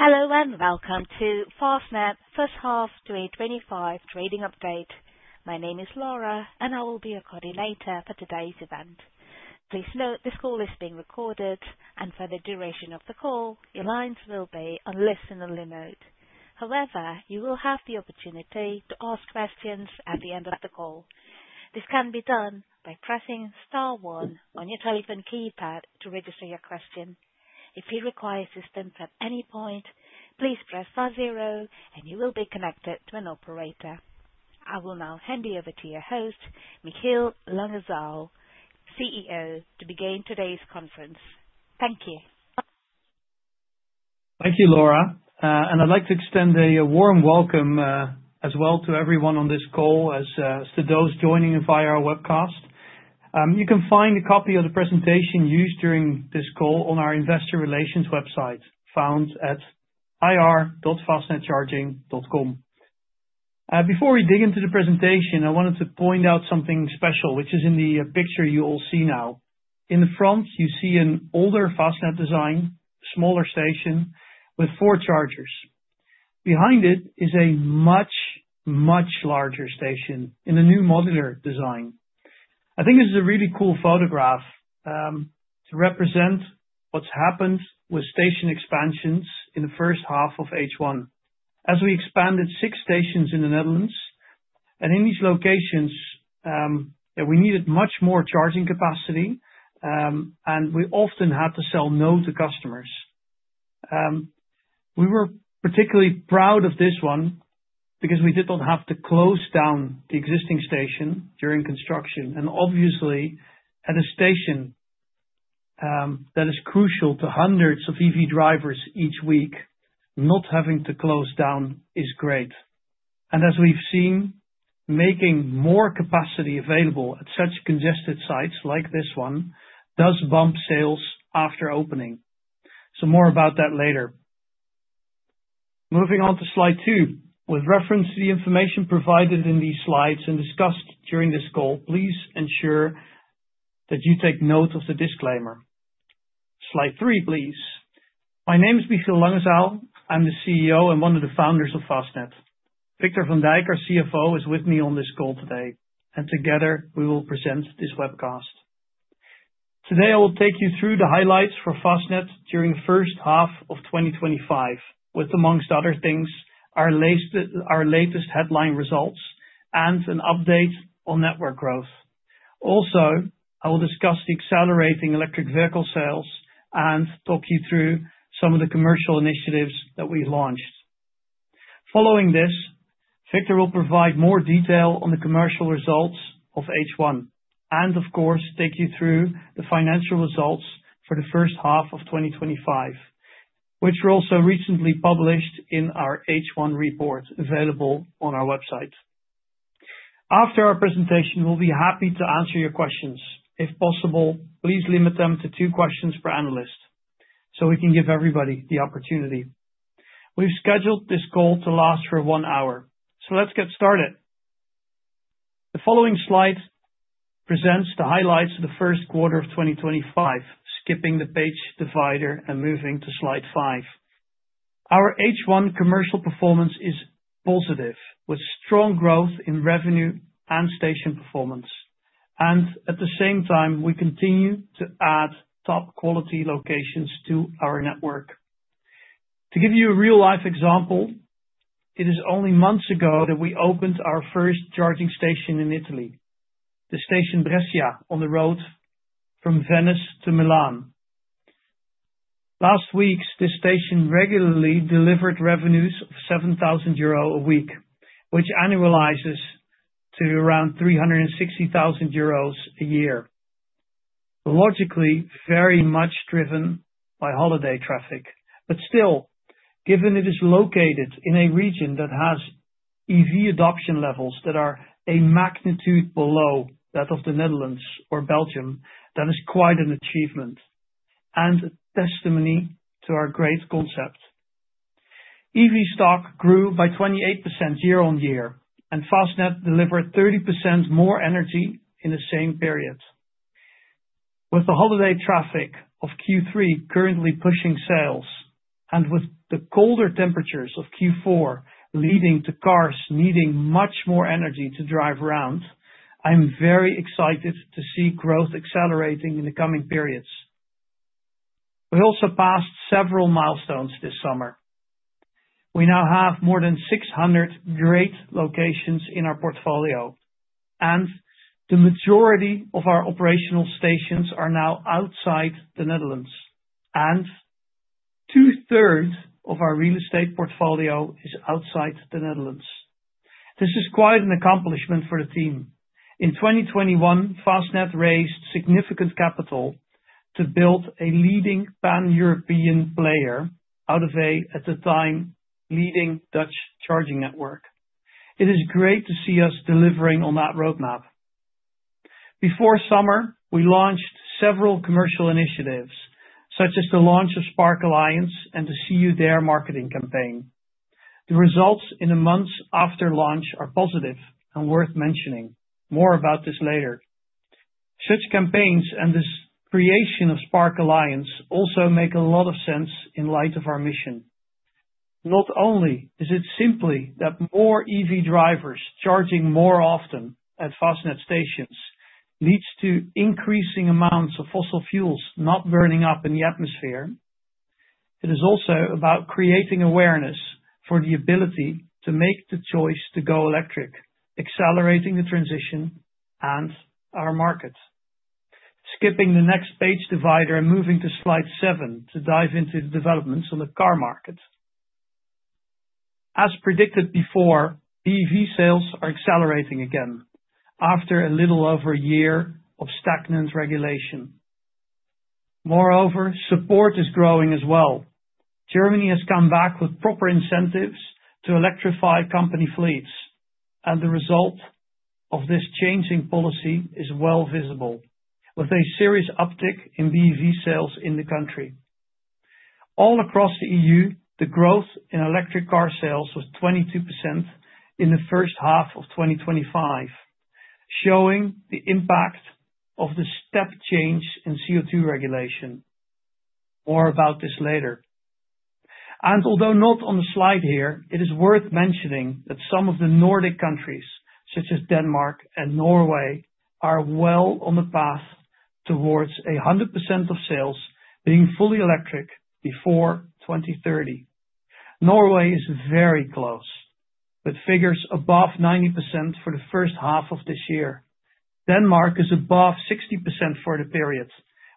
Hello and welcome to Fastned First Half 2025 Trading Update. My name is Laura, and I will be your coordinator for today's event. Please note this call is being recorded, and for the duration of the call, your lines will be on listen-only mode. However, you will have the opportunity to ask questions at the end of the call. This can be done by pressing star one on your telephone keypad to register your question. If you require assistance at any point, please press star zero, and you will be connected to an operator. I will now hand you over to your host, Michiel Langezaal, CEO, to begin today's conference. Thank you. Thank you, Laura. I'd like to extend a warm welcome as well to everyone on this call, as to those joining via our webcast. You can find a copy of the presentation used during this call on our investor relations website, found at ir.fastnedcharging.com. Before we dig into the presentation, I wanted to point out something special, which is in the picture you all see now. In the front, you see an older Fastned design, a smaller station with four chargers. Behind it is a much, much larger station in a new modular design. I think this is a really cool photograph to represent what's happened with station expansions in the first half of H1. As we expanded six stations in the Netherlands, in these locations, we needed much more charging capacity, and we often had to sell no to customers. We were particularly proud of this one because we did not have to close down the existing station during construction. Obviously, at a station that is crucial to hundreds of EV drivers each week, not having to close down is great. As we've seen, making more capacity available at such congested sites like this one does bump sales after opening. More about that later. Moving on to slide two. With reference to the information provided in these slides and discussed during this call, please ensure that you take note of the disclaimer. Slide three, please. My name is Michiel Langezaal. I'm the CEO and one of the founders of Fastned. Victor van Dijk, our CFO, is with me on this call today, and together we will present this webcast. Today, I will take you through the highlights for Fastned during the first half of 2025, with amongst other things, our latest headline results and an update on network growth. Also, I will discuss the accelerating electric vehicle sales and talk you through some of the commercial initiatives that we've launched. Following this, Victor will provide more detail on the commercial results of H1 and, of course, take you through the financial results for the first half of 2025, which were also recently published in our H1 report available on our website. After our presentation, we'll be happy to answer your questions. If possible, please limit them to two questions per analyst so we can give everybody the opportunity. We've scheduled this call to last for one hour, so let's get started. The following slide presents the highlights of the first quarter of 2025, skipping the page divider and moving to slide five. Our H1 commercial performance is positive, with strong growth in revenue and station performance. At the same time, we continue to add top-quality locations to our network. To give you a real-life example, it is only months ago that we opened our first charging station in Italy, the station Brescia, on the road from Venice to Milan. Last week, this station regularly delivered revenues of 7,000 euro a week, which annualizes to around 360,000 euros a year. Logically, very much driven by holiday traffic. Still, given it is located in a region that has EV adoption levels that are a magnitude below that of the Netherlands or Belgium, that is quite an achievement and a testimony to our great concept. EV stock grew by 28% year-on-year, and Fastned delivered 30% more energy in the same period. With the holiday traffic of Q3 currently pushing sales and with the colder temperatures of Q4 leading to cars needing much more energy to drive around, I'm very excited to see growth accelerating in the coming periods. We also passed several milestones this summer. We now have more than 600 great locations in our portfolio, and the majority of our operational stations are now outside the Netherlands. Two-thirds of our real estate portfolio is outside the Netherlands. This is quite an accomplishment for the team. In 2021, Fastned raised significant capital to build a leading pan-European player out of a, at the time, leading Dutch charging network. It is great to see us delivering on that roadmap. Before summer, we launched several commercial initiatives, such as the launch of Spark Alliance and the “See You There” marketing campaign. The results in the months after launch are positive and worth mentioning. More about this later. Such campaigns and the creation of Spark Alliance also make a lot of sense in light of our mission. Not only is it simply that more EV drivers charging more often at Fastned stations leads to increasing amounts of fossil fuels not burning up in the atmosphere. It is also about creating awareness for the ability to make the choice to go electric, accelerating the transition and our market. Skipping the next page divider and moving to slide seven to dive into the developments on the car market. As predicted before, EV sales are accelerating again after a little over a year of stagnant regulation. Moreover, support is growing as well. Germany has come back with proper incentives to electrify company fleets, and the result of this changing policy is well visible, with a serious uptick in BEV sales in the country. All across the EU, the growth in electric car sales was 22% in the first half of 2025, showing the impact of the step change in CO2 regulations. More about this later. Although not on the slide here, it is worth mentioning that some of the Nordic countries, such as Denmark and Norway, are well on the path towards 100% of sales being fully electric before 2030. Norway is very close, with figures above 90% for the first half of this year. Denmark is above 60% for the period,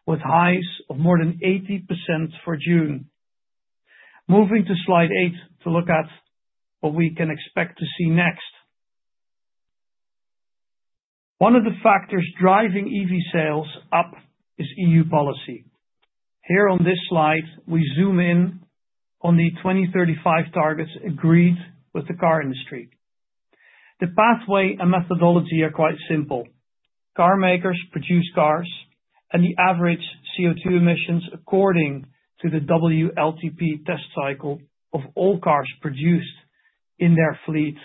with highs of more than 80% for June. Moving to slide eight to look at what we can expect to see next. One of the factors driving EV sales up is EU policy. Here on this slide, we zoom in on the 2035 targets agreed with the car industry. The pathway and methodology are quite simple. Car makers produce cars, and the average CO2 emissions, according to the WLTP test cycle of all cars produced in their fleet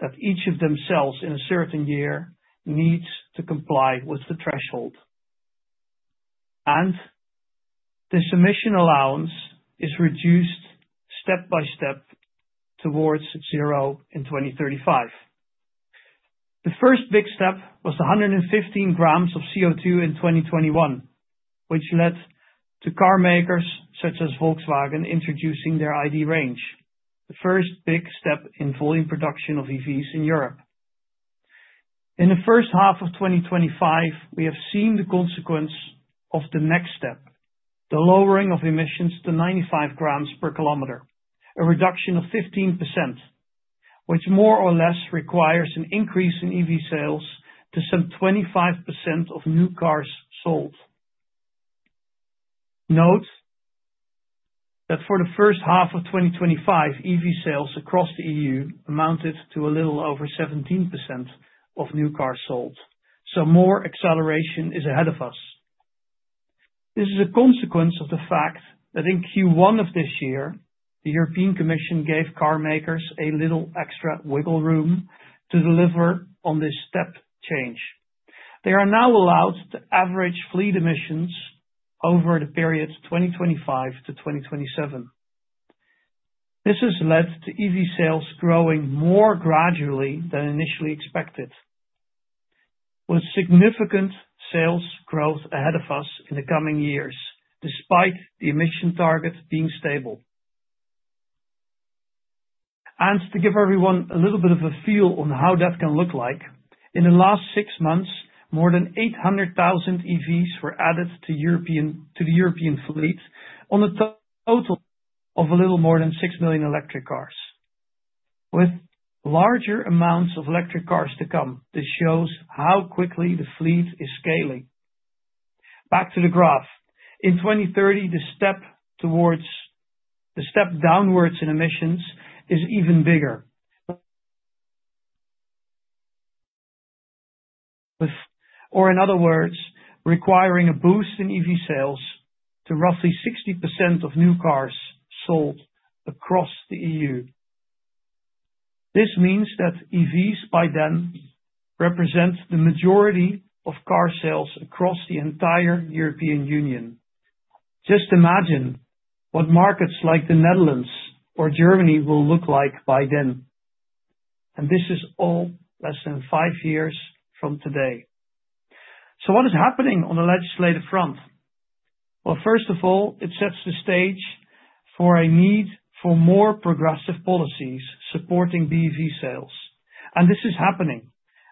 that each of them sells in a certain year, needs to comply with the threshold. This emission allowance is reduced step by step towards zero in 2035. The first big step was 115 grams of CO2 in 2021, which led to car makers such as Volkswagen introducing their ID range, the first big step in volume production of EVs in Europe. In the first half of 2025, we have seen the consequence of the next step, the lowering of emissions to 95 grams per kilometer, a reduction of 15%, which more or less requires an increase in EV sales to some 25% of new cars sold. Note that for the first half of 2025, EV sales across the EU amounted to a little over 17% of new cars sold. More acceleration is ahead of us. This is a consequence of the fact that in Q1 of this year, the European Commission gave car makers a little extra wiggle room to deliver on this step change. They are now allowed to average fleet emissions over the period 2025-2027. This has led to EV sales growing more gradually than initially expected, with significant sales growth ahead of us in the coming years, despite the emission target being stable. To give everyone a little bit of a feel on how that can look like, in the last six months, more than 800,000 EVs were added to the European fleet on a total of a little more than 6 million electric cars. With larger amounts of electric cars to come, this shows how quickly the fleet is scaling. Back to the graph. In 2030, the step downwards in emissions is even bigger. In other words, requiring a boost in EV sales to roughly 60% of new cars sold across the EU. This means that EVs by then represent the majority of car sales across the entire European Union. Just imagine what markets like the Netherlands or Germany will look like by then. This is all less than five years from today. What is happening on the legislative front? First of all, it sets the stage for a need for more progressive policies supporting BEV sales. This is happening.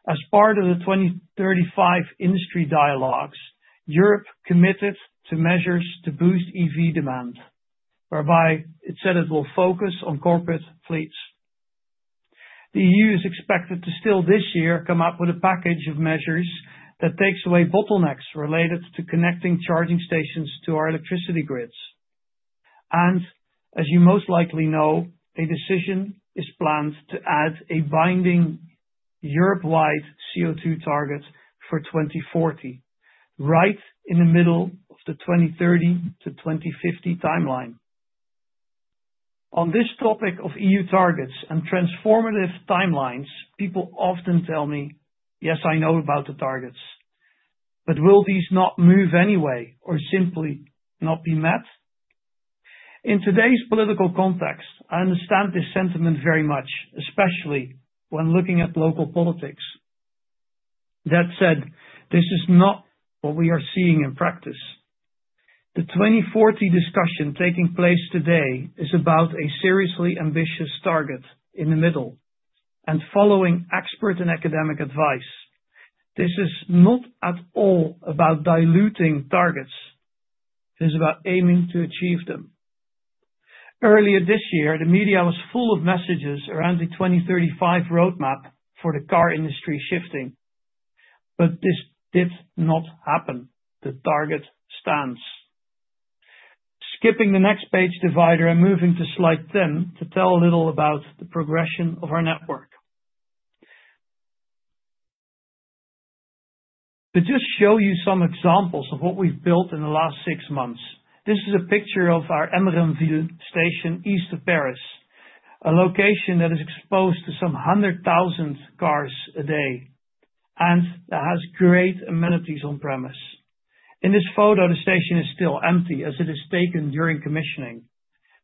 As part of the 2035 industry dialogues, Europe committed to measures to boost EV demand, whereby it said it will focus on corporate fleets. The EU is expected to still this year come up with a package of measures that takes away bottlenecks related to connecting charging stations to our electricity grids. As you most likely know, a decision is planned to add a binding Europe-wide CO2 target for 2040, right in the middle of the 2030 to 2050 timeline. On this topic of EU targets and transformative timelines, people often tell me, "Yes, I know about the targets, but will these not move anyway or simply not be met?" In today's political context, I understand this sentiment very much, especially when looking at local politics. That said, this is not what we are seeing in practice. The 2040 discussion taking place today is about a seriously ambitious target in the middle, and following expert and academic advice, this is not at all about diluting targets. It is about aiming to achieve them. Earlier this year, the media was full of messages around the 2035 roadmap for the car industry shifting, but this did not happen. The target stands. Skipping the next page divider and moving to slide 10 to tell a little about the progression of our network. To just show you some examples of what we've built in the last six months, this is a picture of our Emblem Ville Station East of Paris, a location that is exposed to some 100,000 cars a day and that has great amenities on premise. In this photo, the station is still empty as it is taken during commissioning,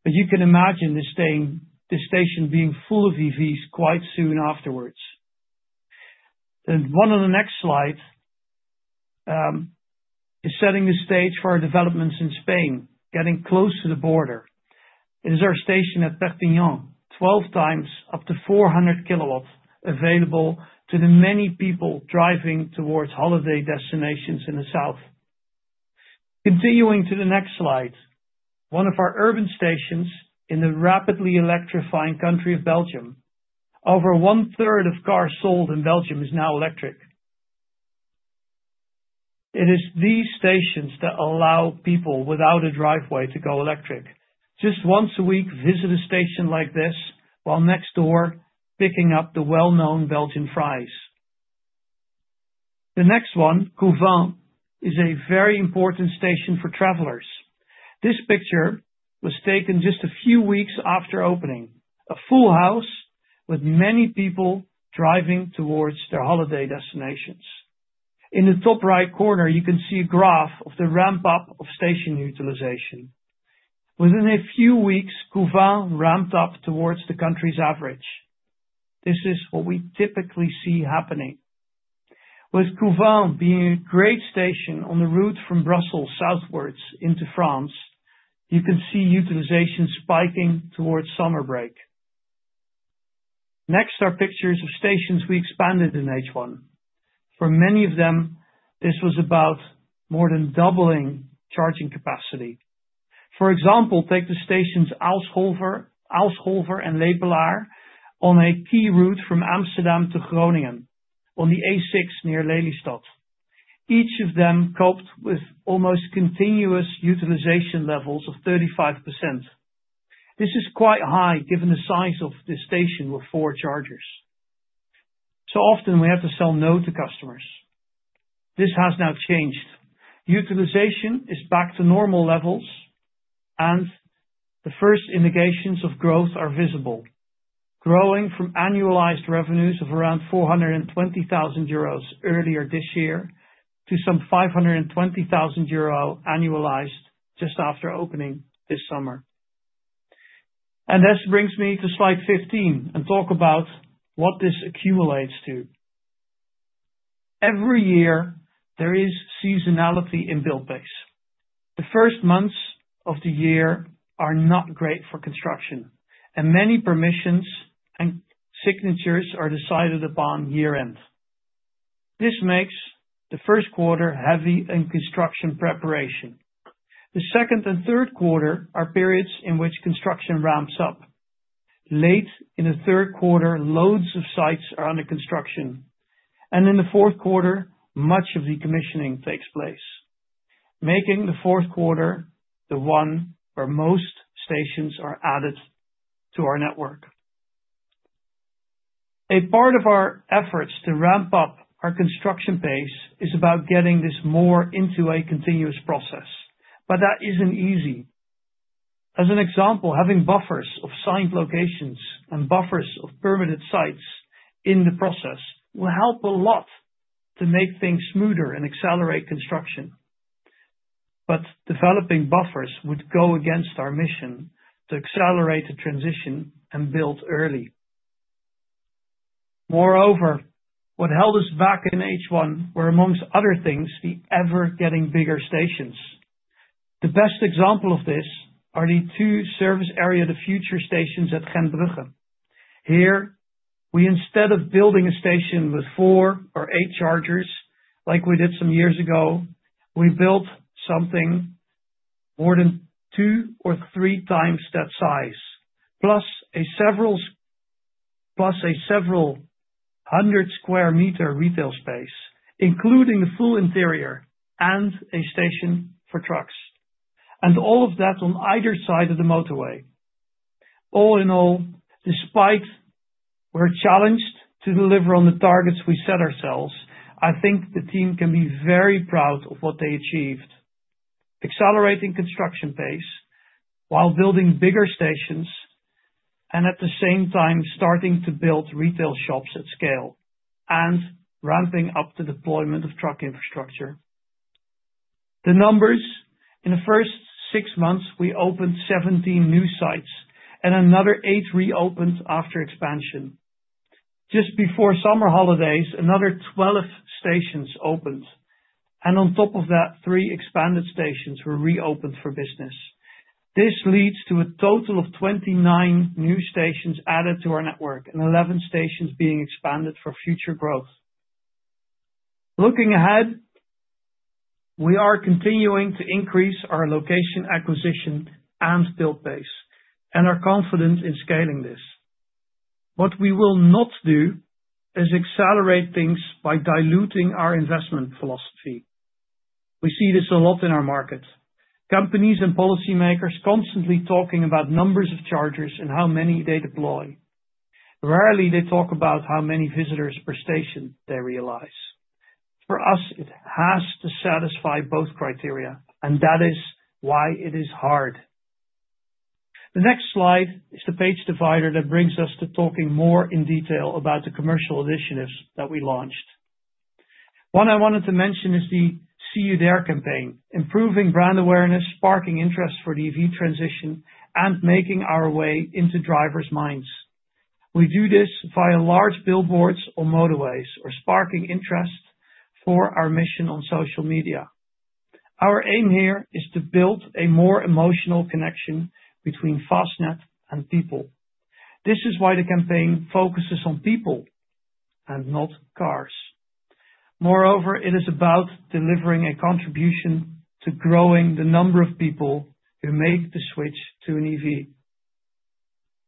but you can imagine this station being full of EVs quite soon afterwards. One of the next slides is setting the stage for our developments in Spain, getting close to the border. It is our station at Perpignan, 12x up to 400 kilowatt available to the many people driving towards holiday destinations in the south. Continuing to the next slide, one of our urban stations in the rapidly electrifying country of Belgium. Over one-third of cars sold in Belgium is now electric. It is these stations that allow people without a driveway to go electric. Just once a week, visit a station like this while next door picking up the well-known Belgian fries. The next one, Cousins, is a very important station for travelers. This picture was taken just a few weeks after opening, a full house with many people driving towards their holiday destinations. In the top right corner, you can see a graph of the ramp-up of station utilization. Within a few weeks, Coovin ramped up towards the country's average. This is what we typically see happening. With Coovin being a great station on the route from Brussels southwards into France, you can see utilization spiking towards summer break. Next, our pictures of stations we expanded in H1. For many of them, this was about more than doubling charging capacity. For example, take the stations Auscholver and Lebelhard on a key route from Amsterdam to Groningen, on the A6 near Lelystadt. Each of them coped with almost continuous utilization levels of 35%. This is quite high given the size of this station with four chargers. Often we had to sell no to customers. This has now changed. Utilization is back to normal levels, and the first indications of growth are visible, growing from annualized revenues of around 420,000 euros earlier this year to some 520,000 euro annualized just after opening this summer. This brings me to slide 15 and talk about what this accumulates to. Every year, there is seasonality in build base. The first months of the year are not great for construction, and many permissions and signatures are decided upon year-end. This makes the first quarter heavy in construction preparation. The second and third quarter are periods in which construction ramps up. Late in the third quarter, loads of sites are under construction, and in the fourth quarter, much of the commissioning takes place, making the fourth quarter the one where most stations are added to our network. A part of our efforts to ramp up our construction pace is about getting this more into a continuous process, but that isn't easy. As an example, having buffers of signed locations and buffers of permitted sites in the process will help a lot to make things smoother and accelerate construction. Developing buffers would go against our mission to accelerate the transition and build early. Moreover, what held us back in H1 were, amongst other things, the ever-getting bigger stations. The best example of this are the two service area future stations at Gendruchen. Here, instead of building a station with four or eight chargers like we did some years ago, we built something more than 2 or 3x that size, plus a several hundred square meter retail space, including the full interior and a station for trucks, and all of that on either side of the motorway. All in all, despite being challenged to deliver on the targets we set ourselves, I think the team can be very proud of what they achieved: accelerating construction pace while building bigger stations and at the same time starting to build retail shops at scale and ramping up the deployment of truck infrastructure. The numbers: in the first six months, we opened 17 new sites, and another eight reopened after expansion. Just before summer holidays, another 12 stations opened, and on top of that, three expanded stations were reopened for business. This leads to a total of 29 new stations added to our network and 11 stations being expanded for future growth. Looking ahead, we are continuing to increase our location acquisition and build base and are confident in scaling this. What we will not do is accelerate things by diluting our investment philosophy. We see this a lot in our market. Companies and policymakers are constantly talking about numbers of chargers and how many they deploy. Rarely do they talk about how many visitors per station they realize. For us, it has to satisfy both criteria, and that is why it is hard. The next slide is the page divider that brings us to talking more in detail about the commercial initiatives that we launched. One I wanted to mention is the “See You There” campaign, improving brand awareness, sparking interest for the EV transition, and making our way into drivers' minds. We do this via large billboards on motorways or sparking interest for our mission on social media. Our aim here is to build a more emotional connection between Fastned and people. This is why the campaign focuses on people and not cars. Moreover, it is about delivering a contribution to growing the number of people who make the switch to an EV.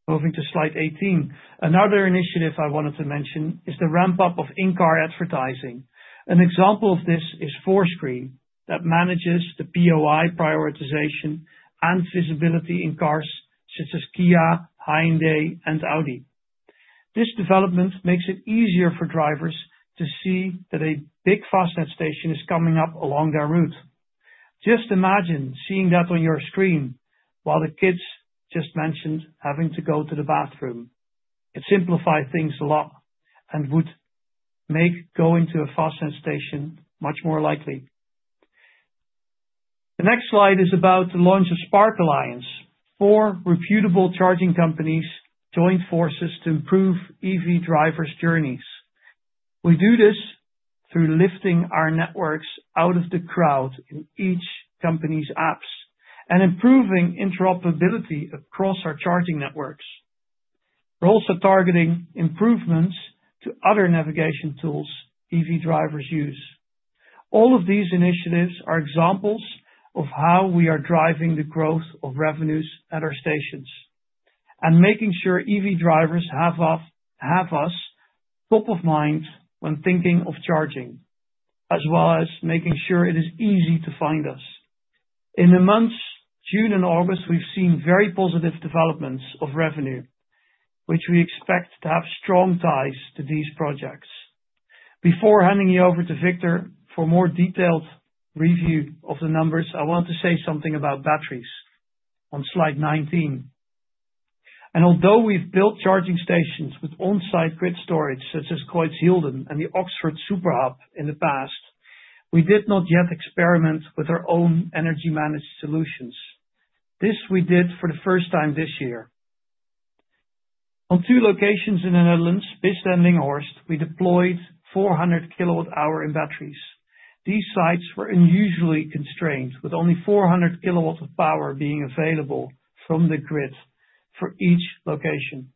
Moving to slide 18, another initiative I wanted to mention is the ramp-up of in-car advertising. An example of this is Forescreen, that manages the POI prioritization and visibility in cars such as Kia, Hyundai, and Audi. This development makes it easier for drivers to see that a big fastener station is coming up along their route. Just imagine seeing that on your screen while the kids just mentioned having to go to the bathroom. It simplified things a lot and would make going to a fasten station much more likely. The next slide is about the launch of Spark Alliance, four reputable charging companies' joint forces to improve EV drivers' journeys. We do this through lifting our networks out of the crowd in each company's apps and improving interoperability across our charging networks. We're also targeting improvements to other navigation tools EV drivers use. All of these initiatives are examples of how we are driving the growth of revenues at our stations and making sure EV drivers have us top of mind when thinking of charging, as well as making sure it is easy to find us. In the months June and August, we've seen very positive developments of revenue, which we expect to have strong ties to these projects. Before handing you over to Victor for a more detailed review of the numbers, I wanted to say something about batteries on slide 19. Although we've built charging stations with on-site grid storage such as Kuytsjilden and the Oxford Superhub in the past, we did not yet experiment with our own energy-managed solutions. This we did for the first time this year. On two locations in the Netherlands, Bissandlinghorst, we deployed 400 kilowatt-hour batteries. These sites were unusually constrained, with only 400 kilowatt of power being available from the grid for each location.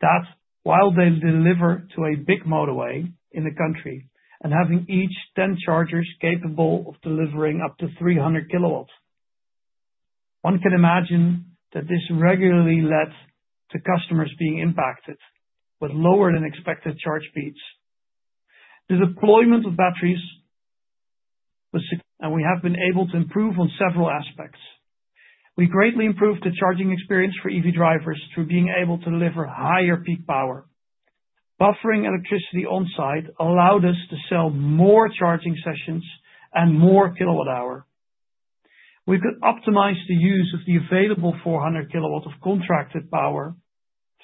That's while they deliver to a big motorway in the country and having each 10 chargers capable of delivering up to 300 kilowatt. One can imagine that this regularly led to customers being impacted with lower than expected charge speeds. The deployment of batteries was, and we have been able to improve on several aspects. We greatly improved the charging experience for EV drivers through being able to deliver higher peak power. Buffering electricity on-site allowed us to sell more charging sessions and more kilowatt-hour. We could optimize the use of the available 400 kilowatt of contracted power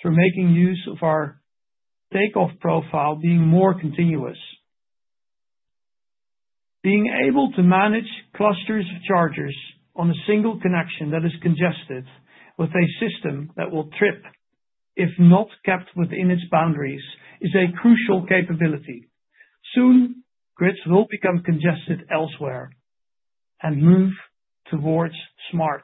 through making use of our takeoff profile being more continuous. Being able to manage clusters of chargers on a single connection that is congested with a system that will trip if not kept within its boundaries is a crucial capability. Soon, grids will become congested elsewhere and move towards smart.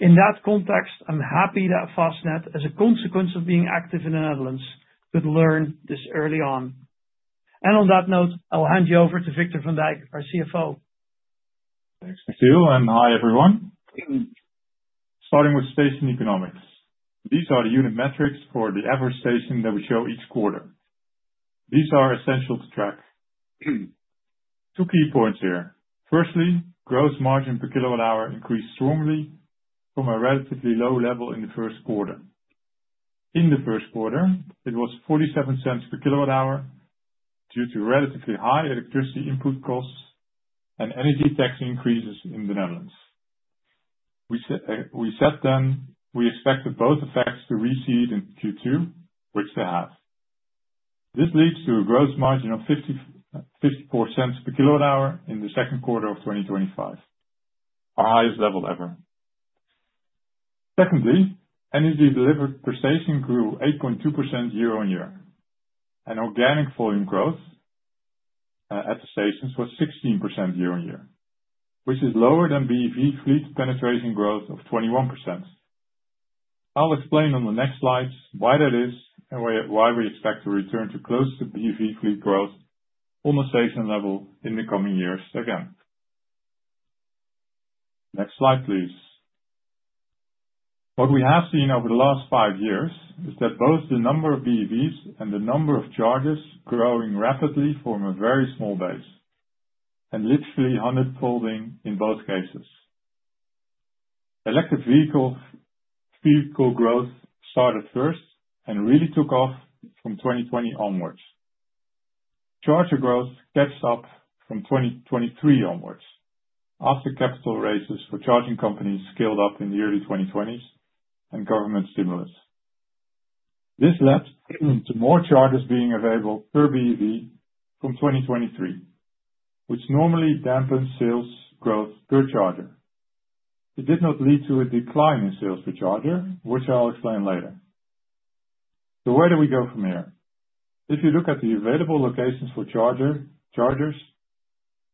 In that context, I'm happy that Fastenat, as a consequence of being active in the Netherlands, could learn this early on. On that note, I'll hand you over to Victor van Dijk, our CFO. Thanks, Michiel, and hi everyone. Starting with station economics, these are the unit metrics for the average station that we show each quarter. These are essential to track. Two key points here. Firstly, gross margin per kilowatt-hour increased strongly from a relatively low level in the first quarter. In the first quarter, it was 0.47 per kilowatt-hour due to relatively high electricity input costs and energy tax increases in the Netherlands. We said then we expected both effects to recede in Q2, which they have. This leads to a gross margin of $0.54 per kilowatt-hour in the second quarter of 2025, our highest level ever. Secondly, energy delivered per station grew 8.2% year-on-year, and organic volume growth at the stations was 16% year-on-year, which is lower than BEV fleet penetrating growth of 21%. I'll explain on the next slide why that is and why we expect to return to close to BEV fleet growth on the station level in the coming years again. Next slide, please. What we have seen over the last five years is that both the number of BEVs and the number of chargers growing rapidly form a very small base, and literally 100 folding in both cases. Electric vehicle growth started first and really took off from 2020 onwards. Charger growth caught up from 2023 onwards after capital raises for charging companies scaled up in the early 2020s and government stimulus. This led to more chargers being available per BEV from 2023, which normally dampens sales growth per charger. It did not lead to a decline in sales per charger, which I'll explain later. The way that we go from here, if you look at the available locations for chargers,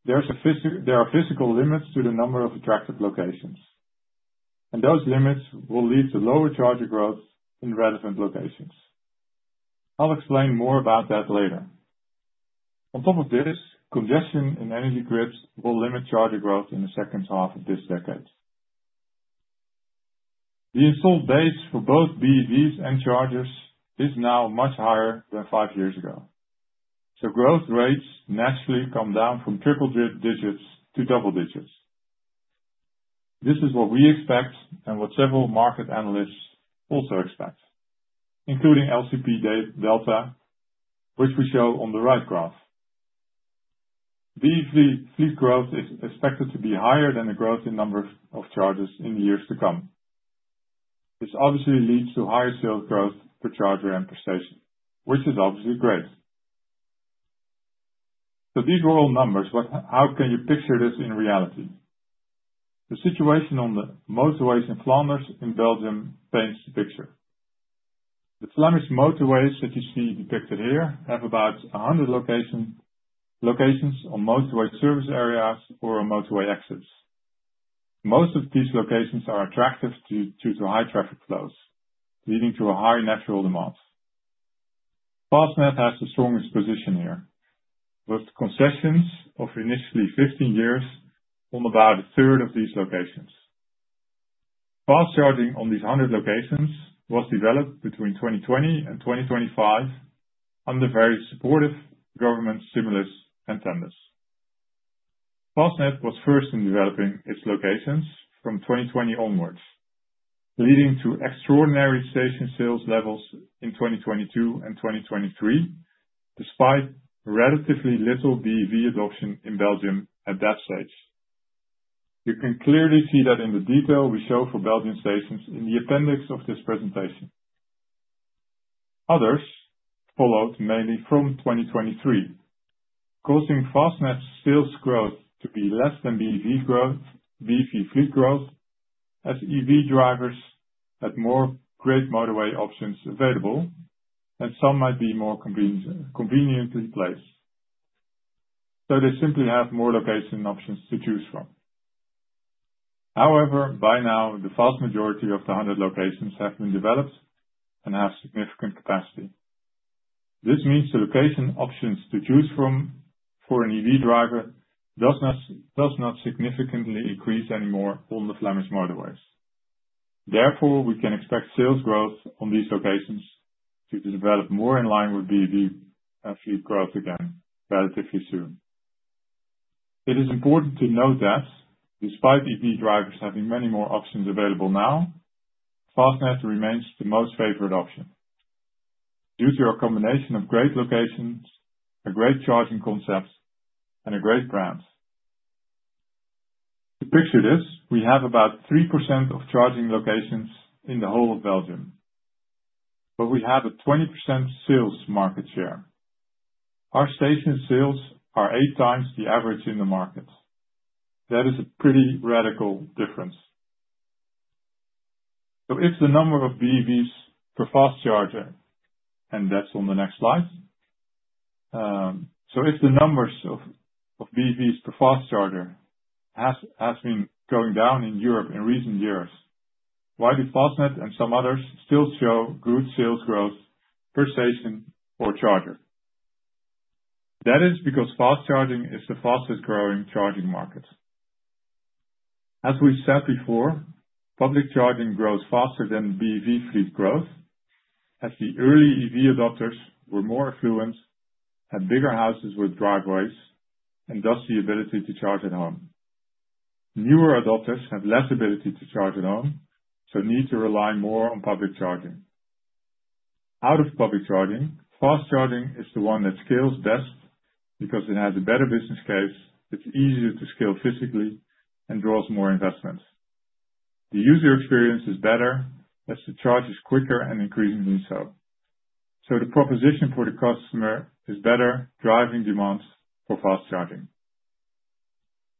there are physical limits to the number of attractive locations, and those limits will lead to lower charger growth in relevant locations. I'll explain more about that later. On top of this, congestion and energy grids will limit charger growth in the second half of this decade. The installed base for both BEVs and chargers is now much higher than five years ago. Growth rates naturally come down from triple digits to double digits. This is what we expect and what several market analysts also expect, including LCP Delta, which we show on the right graph. BEV fleet growth is expected to be higher than the growth in the number of chargers in the years to come. This obviously leads to higher sales growth per charger and per station, which is obviously great. These were all numbers, but how can you picture this in reality? The situation on the motorways in Flanders, in Belgium, paints the picture. The Flemish motorways, which you see depicted here, have about 100 locations on motorway service areas or on motorway exits. Most of these locations are attractive due to high traffic flows, leading to a high natural demand. Fastnet has the strongest position here, with concessions of initially 15 years on about a third of these locations. Fast charging on these 100 locations was developed between 2020 and 2025 under very supportive government stimulus and tenders. Fastnet was first in developing its locations from 2020 onwards, leading to extraordinary station sales levels in 2022 and 2023, despite relatively little BEV adoption in Belgium at that stage. You can clearly see that in the detail we show for Belgian stations in the appendix of this presentation. Others followed mainly from 2023, causing Fastnet's sales growth to be less than BEV fleet growth, as EV drivers had more great motorway options available, and some might be more conveniently placed. They simply have more location options to choose from. However, by now, the vast majority of the 100 locations have been developed and have significant capacity. This means the location options to choose from for an EV driver do not significantly increase anymore on the Flemish motorways. Therefore, we can expect sales growth on these locations to develop more in line with BEV fleet growth again relatively soon. It is important to note that despite EV drivers having many more options available now, Fastnet remains the most favored option due to a combination of great locations, a great charging concept, and a great brand. To picture this, we have about 3% of charging locations in the whole of Belgium, but we have a 20% sales market share. Our station sales are 8x the average in the market. That is a pretty radical difference. If the number of BEVs per fast charger, and that's on the next slide, if the numbers of BEVs per fast charger have been going down in Europe in recent years, why do Fastnet and some others still show good sales growth per station or charger? That is because fast charging is the fastest growing charging market. As we said before, public charging grows faster than BEV fleet growth, as the early EV adopters were more affluent, had bigger houses with driveways and thus the ability to charge at home. Newer adopters have less ability to charge at home, so need to rely more on public charging. Out of public charging, fast charging is the one that scales best because it has a better business case, it's easier to scale physically, and draws more investment. The user experience is better as the charge is quicker and increasingly so. The proposition for the customer is better, driving demand for fast charging.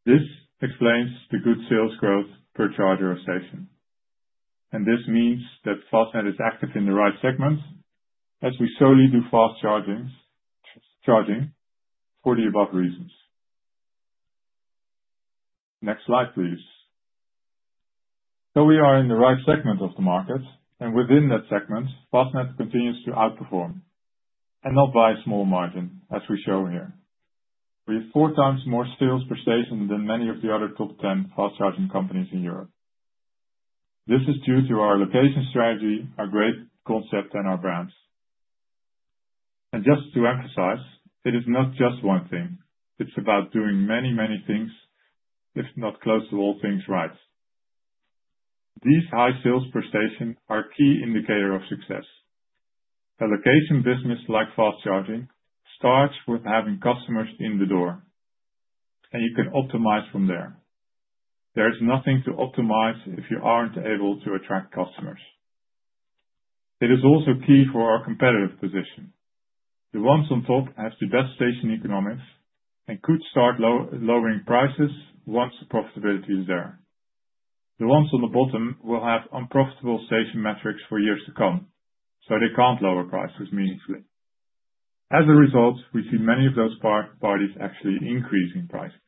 This explains the good sales growth per charger or station. This means that Fastnet is active in the right segment as we slowly do fast charging for the above reasons. Next slide, please. We are in the right segment of the market, and within that segment, Fastned continues to outperform and not by a small margin, as we show here. We have four times more sales per station than many of the other top 10 fast charging companies in Europe. This is due to our location strategy, our great concept, and our brands. Just to emphasize, it is not just one thing. It's about doing many, many things, if not close to all things right. These high sales per station are a key indicator of success. A location business like fast charging starts with having customers in the door, and you can optimize from there. There is nothing to optimize if you aren't able to attract customers. It is also key for our competitive position. The ones on top have the best station economics and could start lowering prices once the profitability is there. The ones on the bottom will have unprofitable station metrics for years to come, so they can't lower prices meaningfully. As a result, we see many of those parties actually increasing prices.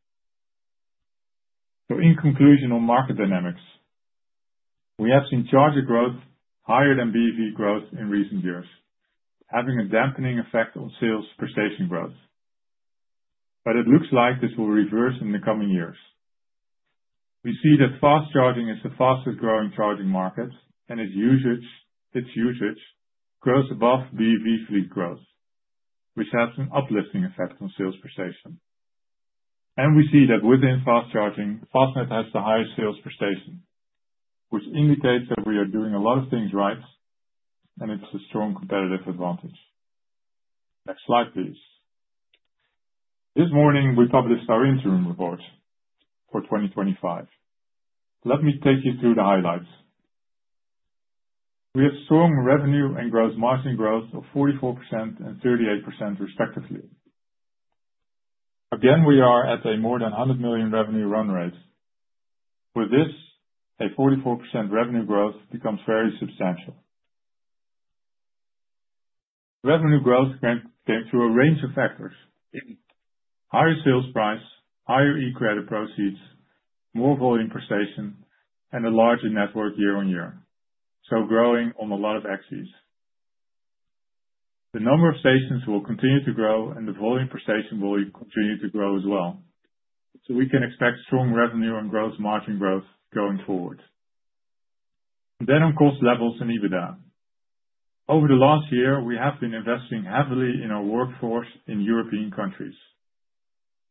In conclusion, on market dynamics, we have seen charger growth higher than BEV growth in recent years, having a dampening effect on sales per station growth. It looks like this will reverse in the coming years. We see that fast charging is the fastest growing charging market, and its usage grows above BEV fleet growth, which has an uplifting effect on sales per station. We see that within fast charging, Fastnet has the highest sales per station, which indicates that we are doing a lot of things right, and it's a strong competitive advantage. Next slide, please. This morning, we published our interim report for 2025. Let me take you through the highlights. We have strong revenue and gross margin growth of 44% and 38% respectively. We are at a more than 100 million revenue run rate. With this, a 44% revenue growth becomes very substantial. Revenue growth can be through a range of factors: higher sales price, higher e-credit proceeds, more volume per station, and a larger network year-on-year. Growing on a lot of axes. The number of stations will continue to grow, and the volume per station will continue to grow as well. We can expect strong revenue and gross margin growth going forward. On cost levels and EBITDA, over the last year, we have been investing heavily in our workforce in European countries.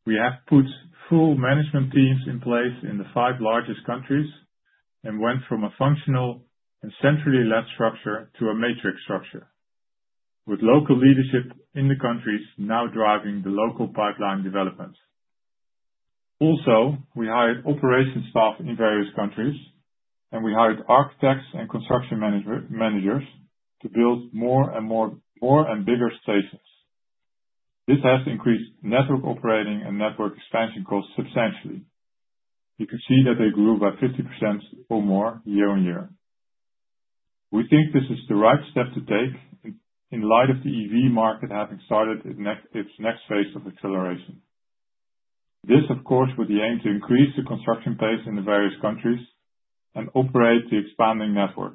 We have put full management teams in place in the five largest countries and went from a functional and centrally left structure to a matrix structure, with local leadership in the countries now driving the local pipeline development. We hired operations staff in various countries, and we hired architects and construction managers to build more and more and bigger stations. This has increased network operating and network expansion costs substantially. You can see that they grew by 50% or more year-on- year. We think this is the right step to take in light of the EV market having started its next phase of acceleration. This is, of course, with the aim to increase the construction pace in the various countries and operate the expanding network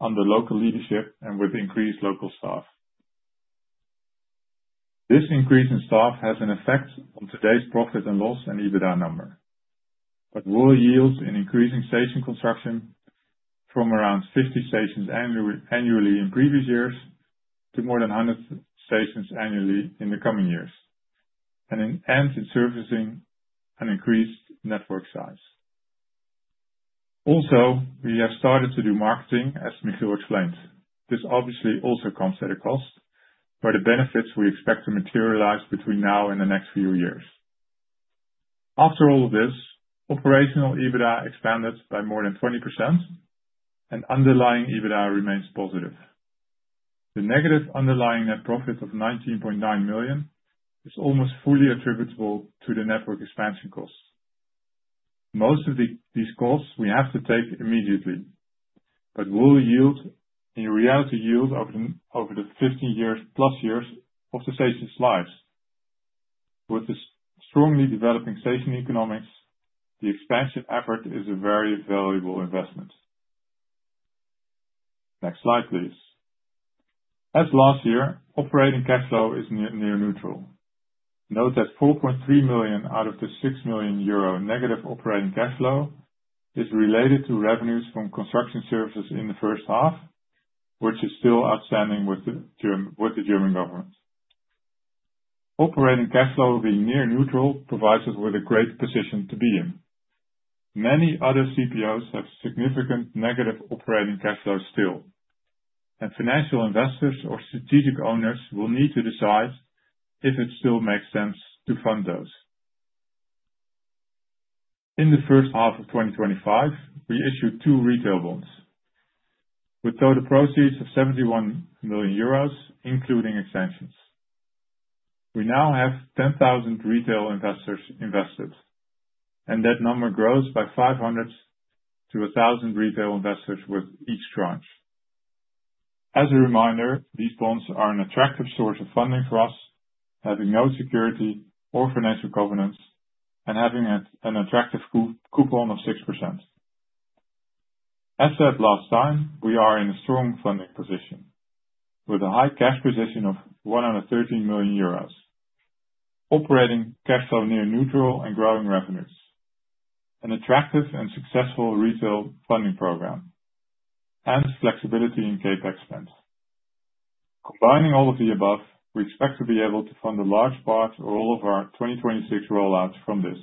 under local leadership and with increased local staff. This increase in staff has an effect on today's profit and loss and EBITDA number, but will yield an increase in station construction from around 50 stations annually in previous years to more than 100 stations annually in the coming years, and ends in servicing an increased network size. We have started to do marketing, as Michiel explained. This obviously also comes at a cost, but the benefits we expect to materialize between now and the next few years. After all of this, operational EBITDA expanded by more than 20%, and underlying EBITDA remains positive. The negative underlying net profit of 19.9 million is almost fully attributable to the network expansion costs. Most of these costs we have to take immediately, but will yield a reality yield over the 50+ years of the stations' lives. With the strongly developing station economics, the expansion effort is a very valuable investment. Next slide, please. As last year, operating cash flow is near neutral. Note that 4.3 million out of the 6 million euro negative operating cash flow is related to revenues from construction services in the first half, which is still outstanding with the German government. Operating cash flow being near neutral provides us with a great position to be in. Many other CPOs have significant negative operating cash flow still, and financial investors or strategic owners will need to decide if it still makes sense to fund those. In the first half of 2025, we issued two retail bonds with total proceeds of 71 million euros, including exemptions. We now have 10,000 retail investors invested, and that number grows by 500-1,000 retail investors with each charge. As a reminder, these bonds are an attractive source of funding for us, having no security or financial covenants, and having an attractive coupon of 6%. As said last time, we are in a strong funding position with a high cash position of 113 million euros, operating cash flow near neutral and growing revenues, an attractive and successful retail funding program, and flexibility in CapEx spend. Combining all of the above, we expect to be able to fund a large part of all of our 2026 rollouts from this.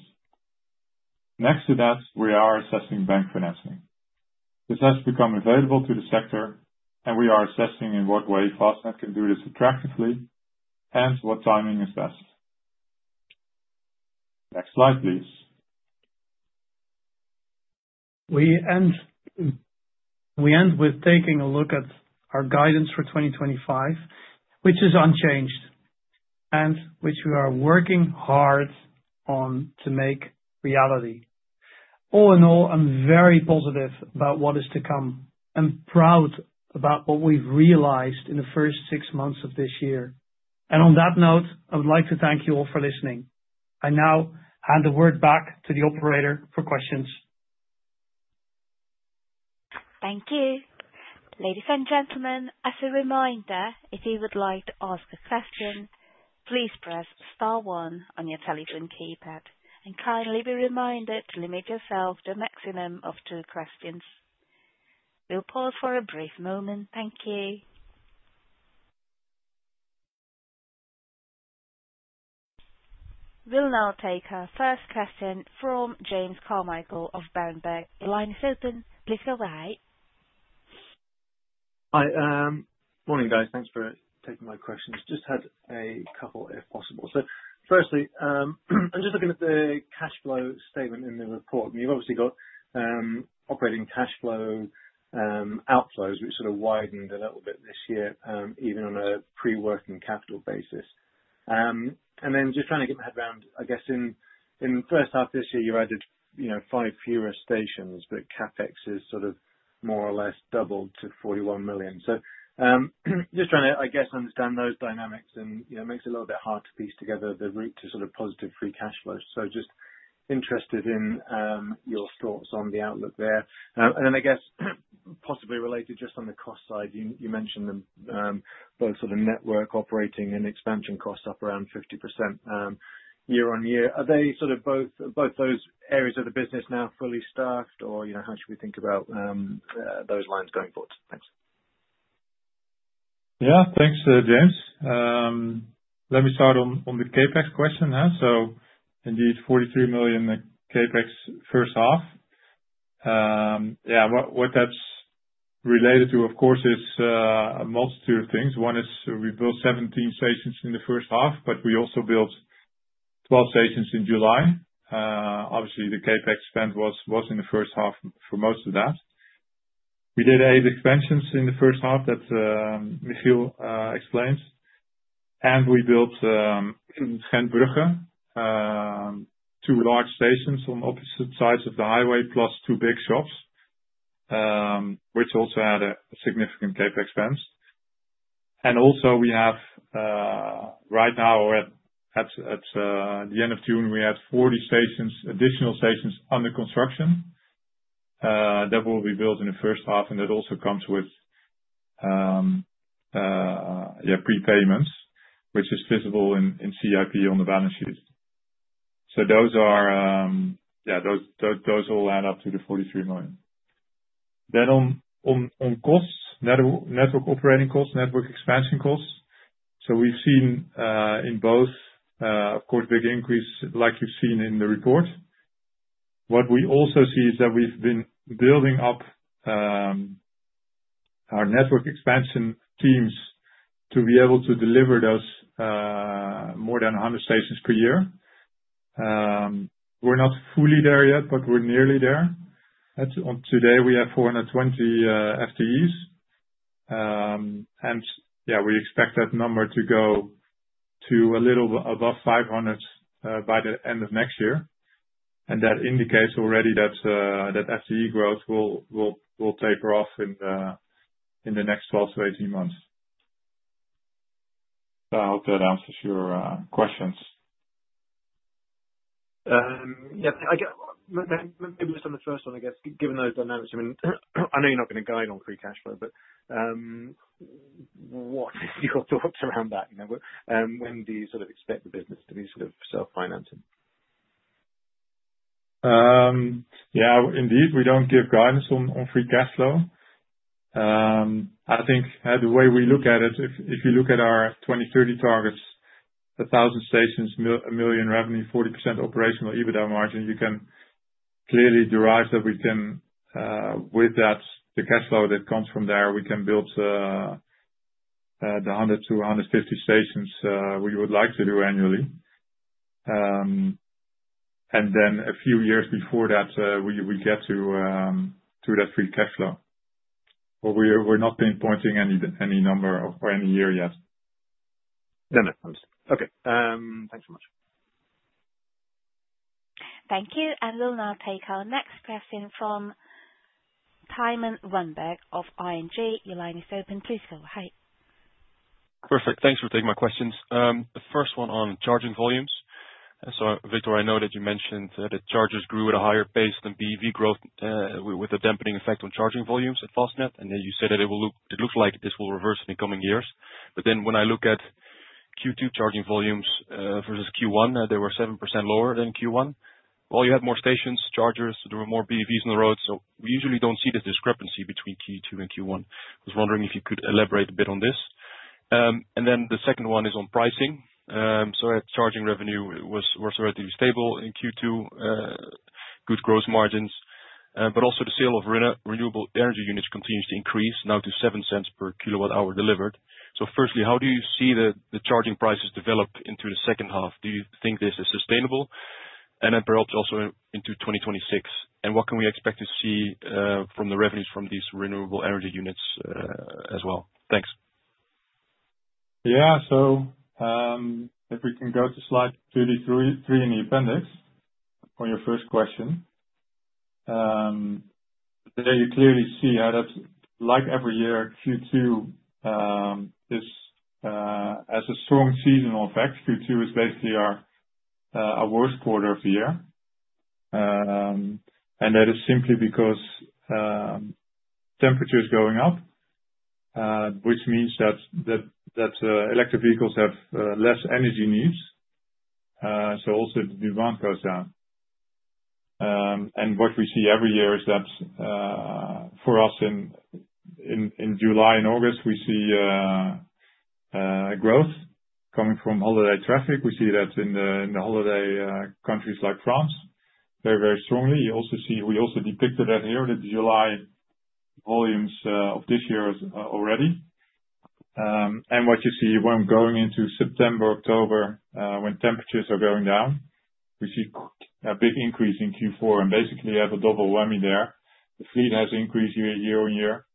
Next to that, we are assessing bank financing. This has become available to the sector, and we are assessing in what way Fastnet can do this attractively and what timing is best. Next slide, please. We end with taking a look at our guidance for 2025, which is unchanged and which we are working hard on to make reality. All in all, I'm very positive about what is to come. I'm proud about what we've realized in the first six months of this year. On that note, I would like to thank you all for listening. I now hand the word back to the operator for questions. Thank you. Ladies and gentlemen, as a reminder, if you would like to ask a question, please press star one on your telephone keypad and kindly be reminded to limit yourself to a maximum of two questions. We'll pause for a brief moment. Thank you. We'll now take our first question from James Carmichael of Berenberg. The line is open. Please go ahead. Hi. Morning, guys. Thanks for taking my questions. Just had a couple, if possible. Firstly, I'm just looking at the cash flow statement in the report. You've obviously got operating cash flow outflows, which sort of widened a little bit this year, even on a pre-working capital basis. I'm just trying to get my head around, I guess in the first half this year, you added five fewer stations, but CapEx has sort of more or less doubled to 41 million. I'm trying to understand those dynamics, and it makes it a little bit hard to piece together the route to positive free cash flow. I'm interested in your thoughts on the outlook there. I guess possibly related, just on the cost side, you mentioned both network operating and expansion costs up around 50% year-on-year. Are both those areas of the business now fully staffed, or how should we think about those lines going forward? Yeah, thanks, James. Let me start on the CapEx question now. Indeed, 43 million CapEx first half. What that's related to, of course, is a multitude of things. One is we built 17 stations in the first half, but we also built 12 stations in July. Obviously, the CapEx spend was in the first half for most of that. We did eight expansions in the first half that Michel explained. We built Schenbruger, two large stations on opposite sides of the highway, plus two big shops, which also had a significant CapEx spend. Also, we have right now, at the end of June, 40 additional stations under construction that will be built in the first half. That also comes with prepayments, which is visible in CIB on the balance sheet. Those all add up to the 43 million. On network operating costs, network expansion costs, we've seen in both, of course, a big increase, like you've seen in the report. What we also see is that we've been building up our network expansion teams to be able to deliver those more than 100 stations per year. We're not fully there yet, but we're nearly there. Today, we have 420 FTEs, and we expect that number to go to a little above 500 by the end of next year. That indicates already that FTE growth will taper off in the next 12-18 months. I hope that answers your questions. Yeah, maybe just on the first one, I guess, given those dynamics, I know you're not going to guide on free cash flow, but what do you have to offer to round that? You know, when do you sort of expect the business to be sort of self-financing? Yeah, indeed, we don't give guidance on free cash flow. I think the way we look at it, if you look at our 2030 targets, 1,000 stations, 1 million revenue, 40% operational EBITDA margin, you can clearly derive that we can, with that, the cash flow that comes from there, we can build the 100-150 stations we would like to do annually. A few years before that, we get to that free cash flow. We're not pinpointing any number or any year yet. Thank you. We'll now take our next question from Thymen Rundberg of ING. Your line is open. Please go ahead. Perfect. Thanks for taking my questions. The first one on charging volumes. Victor, I know that you mentioned that chargers grew at a higher pace than BEV growth with a dampening effect on charging volumes at Fastnet. You said that it looks like this will reverse in the coming years. When I look at Q2 charging volumes vs Q1, they were 7% lower than Q1. While you had more stations, chargers, there were more BEVs on the road. We usually don't see this discrepancy between Q2 and Q1. I was wondering if you could elaborate a bit on this. The second one is on pricing. Charging revenue was relatively stable in Q2, good gross margins, but also the sale of renewable energy units continues to increase now to $0.07 per kilowatt-hour delivered. Firstly, how do you see the charging prices develop into the second half? Do you think this is sustainable? Perhaps also into 2026? What can we expect to see from the revenues from these renewable energy units as well? Thanks. Yeah, if we can go to slide 33 in the appendix on your first question, there you clearly see that like every year, Q2 has a strong seasonal effect. Q2 is basically our worst quarter of the year. That is simply because temperatures are going up, which means that electric vehicles have less energy needs, so the demand goes down. What we see every year is that for us in July and August, we see growth coming from holiday traffic. We see that in the holiday countries like France very, very strongly. You also see we also depicted that here, the July volumes of this year already. What you see when going into September, October, when temperatures are going down, we see a big increase in Q4. Basically, you have a double whammy there. The fleet has increased year on year,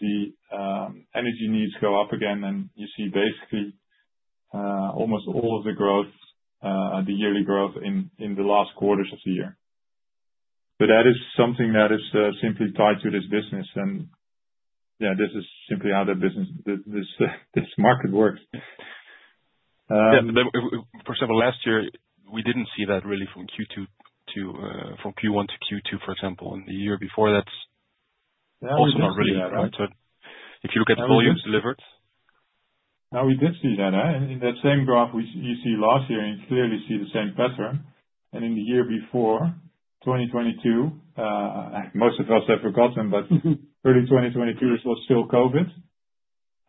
the energy needs go up again, and you see basically almost all of the growth, the yearly growth in the last quarters of the year. That is something that is simply tied to this business. Yeah, this is simply how the business, this market works. For example, last year, we didn't see that really from Q1 to Q2, for example. The year before that, we did not really see that, right? If you look at volumes delivered. No, we did see that. In that same graph you see last year, you clearly see the same pattern. In the year before, 2022, most of us have forgotten that early 2022 was still COVID.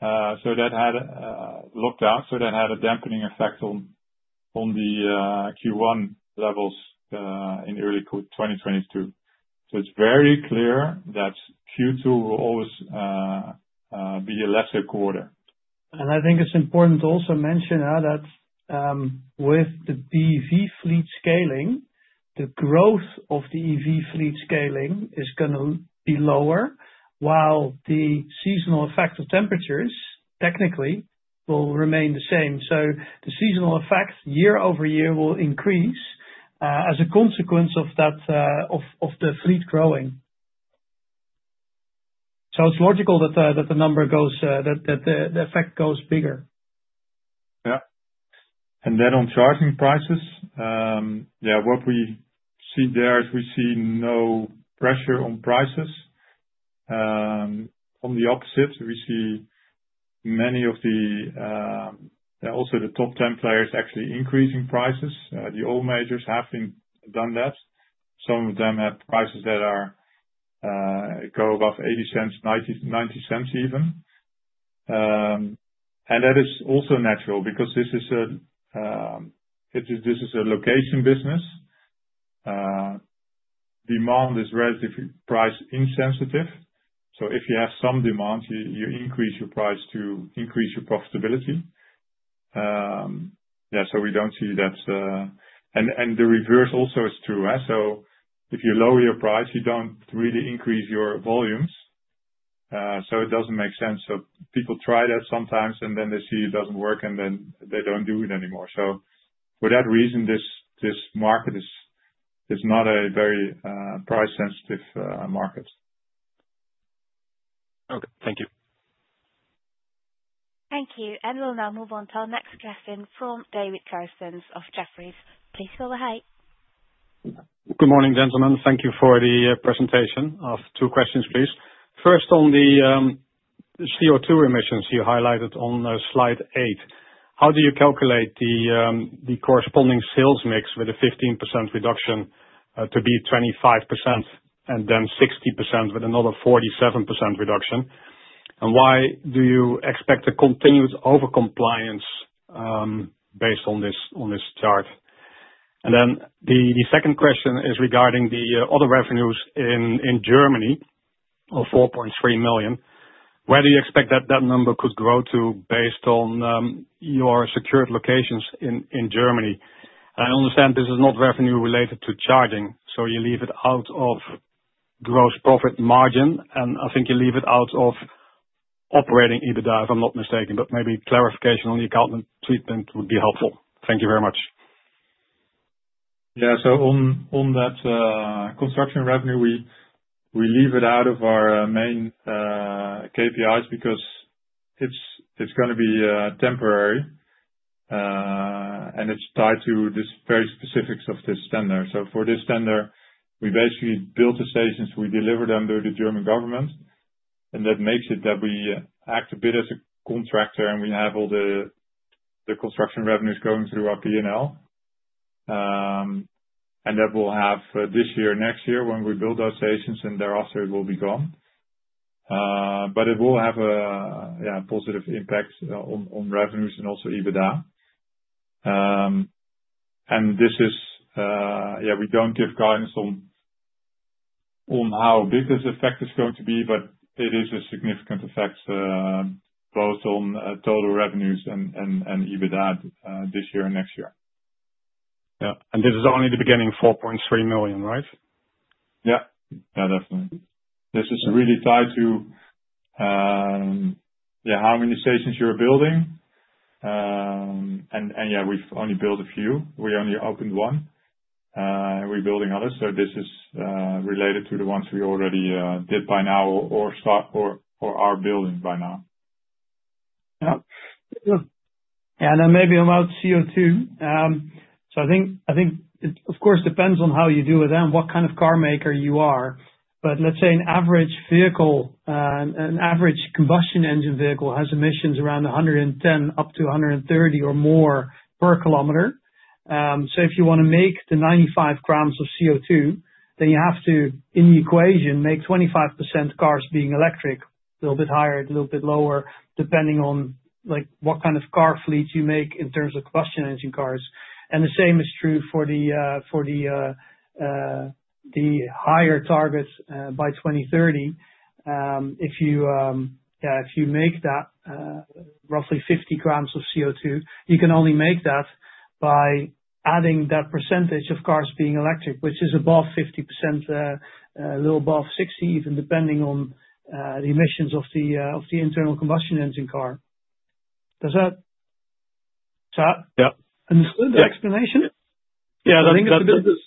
That had a lockdown, which had a dampening effect on the Q1 levels in early 2022. It is very clear that Q2 will always be a lesser quarter. I think it's important to also mention now that with the BEV fleet scaling, the growth of the EV fleet scaling is going to be lower, while the seasonal effect of temperatures technically will remain the same. The seasonal effect year-over-year will increase as a consequence of the fleet growing. It's logical that the number goes, that the effect goes bigger. Yeah. On charging prices, what we see there is we see no pressure on prices. On the opposite, we see many of the top 10 players actually increasing prices. The oil majors have done that. Some of them have prices that go above 0.80, 0.90 even. That is also natural because this is a location business. Demand is relatively price insensitive. If you have some demand, you increase your price to increase your profitability. We don't see that. The reverse also is true. If you lower your price, you don't really increase your volumes. It doesn't make sense. People try that sometimes, and then they see it doesn't work, and then they don't do it anymore. For that reason, this market is not a very price-sensitive market. Okay, thank you. Thank you. We'll now move on to our next question from David Karstens of Jefferies. Please go ahead. Good morning, gentlemen. Thank you for the presentation. I have two questions, please. First, on the CO2 emissions you highlighted on slide eight. How do you calculate the corresponding sales mix with a 15% reduction to be 25% and then 60% with another 47% reduction? Why do you expect a continuous overcompliance based on this chart? The second question is regarding the auto revenues in Germany of 4.3 million. Where do you expect that that number could grow to based on your secured locations in Germany? I understand this is not revenue related to charging, so you leave it out of gross profit margin, and I think you leave it out of operating EBITDA, if I'm not mistaken, but maybe clarification on the accountant treatment would be helpful. Thank you very much. Yeah, on that construction revenue, we leave it out of our main KPIs because it's going to be temporary, and it's tied to the very specifics of this tender. For this tender, we basically build the stations, we deliver them through the German government, and that makes it that we act a bit as a contractor, and we have all the construction revenues going through our P&L. That will have this year, next year, when we build those stations, and thereafter, it will be gone. It will have a positive impact on revenues and also EBITDA. We don't give guidance on how big this effect is going to be, but it is a significant effect both on total revenues and EBITDA this year and next year. Yeah, this is only the beginning of 4.3 million, right? Yeah, definitely. This is really tied to how many stations you're building. We've only built a few. We only opened one. We're building others. This is related to the ones we already did by now or are building by now. Maybe about CO2. It, of course, depends on how you do it and what kind of car maker you are. Let's say an average vehicle, an average combustion engine vehicle, has emissions around 110 up to 130 or more per kilometer. If you want to make the 95 grams of CO2, then you have to, in the equation, make 25% cars being electric, a little bit higher, a little bit lower, depending on what kind of car fleets you make in terms of combustion engine cars. The same is true for the higher targets by 2030. If you make that roughly 50 grams of CO2, you can only make that by adding that percentage of cars being electric, which is above 50%, a little above 60%, even depending on the emissions of the internal combustion engine car. Does that? Understood the explanation? Yeah, I think it's a bit.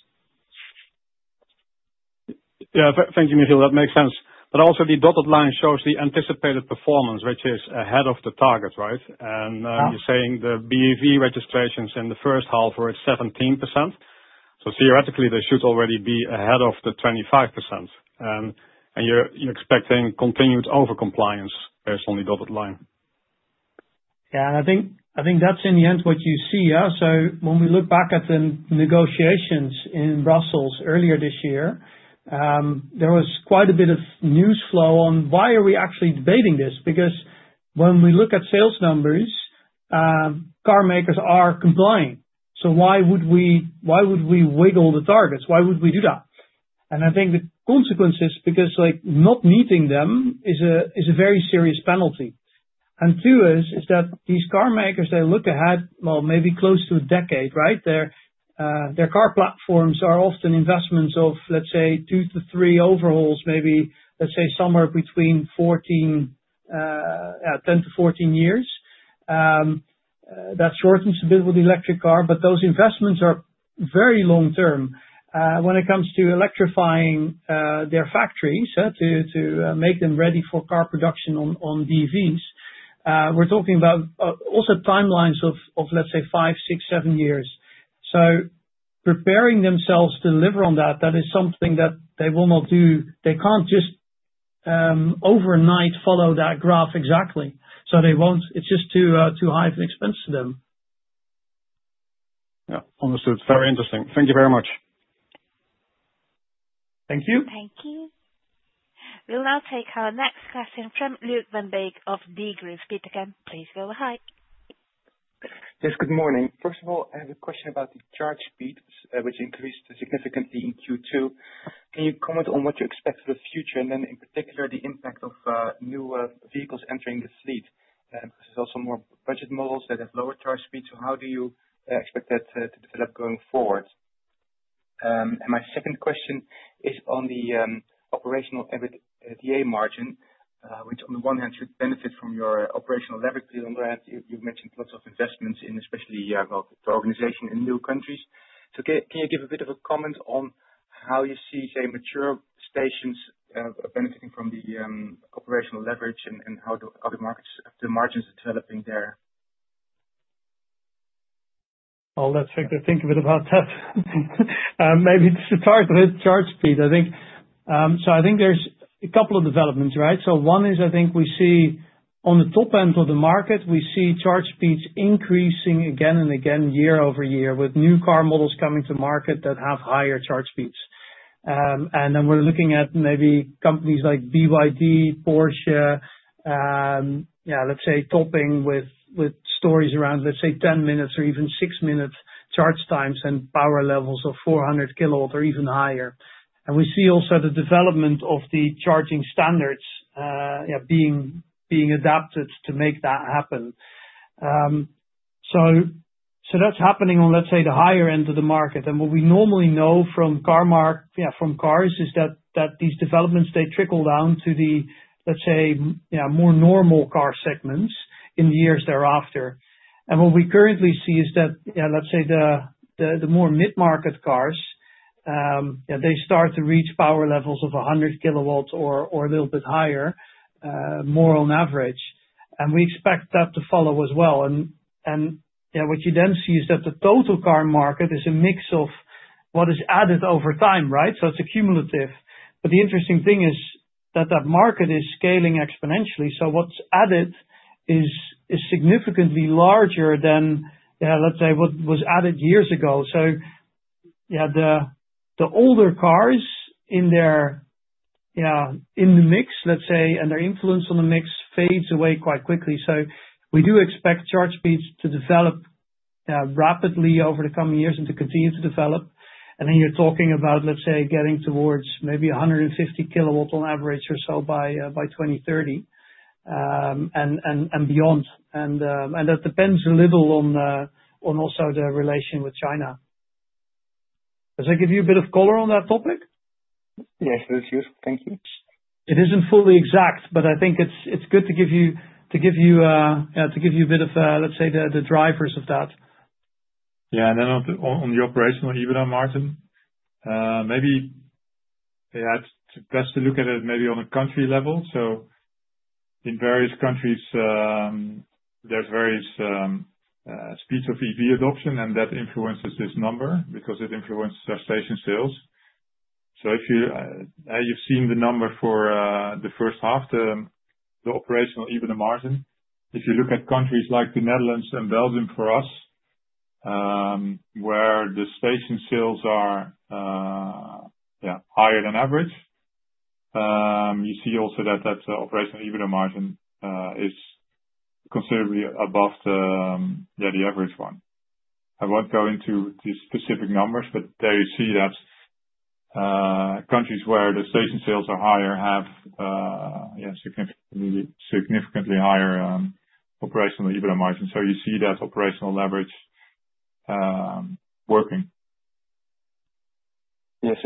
Thank you, Michel. That makes sense. The dotted line shows the anticipated performance, which is ahead of the target, right? You're saying the BEV registrations in the first half were at 17%. Theoretically, they should already be ahead of the 25%. You're expecting continued overcompliance based on the dotted line. Yeah, I think that's in the end what you see. When we look back at the negotiations in Brussels earlier this year, there was quite a bit of news flow on why are we actually debating this? Because when we look at sales numbers, car makers are complying. Why would we wiggle the targets? Why would we do that? I think the consequence is because not meeting them is a very serious penalty. Two is that these car makers, they look ahead, maybe close to a decade, right? Their car platforms are often investments of, let's say, two to three overhauls, maybe somewhere between 14 years. That shortens a bit with the electric car, but those investments are very long term. When it comes to electrifying their factories to make them ready for car production on EVs, we're talking about also timelines of, let's say, five, six, seven years. Preparing themselves to deliver on that, that is something that they will not do. They can't just overnight follow that graph exactly. They won't. It's just too high of an expense to them. Yeah, understood. Very interesting. Thank you very much. Thank you. Thank you. We'll now take our next question from Luuk Van Beek of Degroof. Peter again, please go ahead. Yes, good morning. First of all, I have a question about the charge speeds, which increased significantly in Q2. Can you comment on what you expect for the future, and then in particular the impact of new vehicles entering the fleet? There's also more budget models that have lower charge speeds. How do you expect that to develop going forward? My second question is on the operational EBITDA margin, which on the one hand should benefit from your operational leverage. On the other hand, you've mentioned lots of investments in especially the organization in new countries. Can you give a bit of a comment on how you see, say, mature stations benefiting from the operational leverage and how the markets at the margins are developing there? Let's make you think a bit about that. Maybe to start with charge speed, I think there's a couple of developments, right? One is we see on the top end of the market, we see charge speeds increasing again and again year-over-year with new car models coming to market that have higher charge speeds. We're looking at maybe companies like BYD, Porsche, topping with stories around 10 minutes or even 6 minutes charge times and power levels of 400 kilohertz or even higher. We see also the development of the charging standards being adapted to make that happen. That's happening on the higher end of the market. What we normally know from the Car Mart, from cars, is that these developments trickle down to the more normal car segments in the years thereafter. What we currently see is that the more mid-market cars, they start to reach power levels of 100 kilowatt or a little bit higher, more on average. We expect that to follow as well. What you then see is that the total car market is a mix of what is added over time, right? It's cumulative. The interesting thing is that market is scaling exponentially. What's added is significantly larger than what was added years ago. The older cars in their mix, and their influence on the mix, fades away quite quickly. We do expect charge speeds to develop rapidly over the coming years and to continue to develop. Then you're talking about getting towards maybe 150 kilowatt on average or so by 2030 and beyond. That depends a little on also the relation with China. Does that give you a bit of color on that topic? Yes, it is useful. Thank you. It isn't fully exact, but I think it's good to give you a bit of, let's say, the drivers of that. Yeah, on the operational EBITDA margin, maybe it's best to look at it on a country level. In various countries, there's various speeds of EV adoption, and that influences this number because it influences their station sales. If you've seen the number for the first half, the operational EBITDA margin, if you look at countries like the Netherlands and Belgium for us, where the station sales are higher than average, you see also that that operational EBITDA margin is considerably above the average one. I won't go into the specific numbers, but you see that countries where the station sales are higher have significantly higher operational EBITDA margins. You see that operational leverage working. Yes.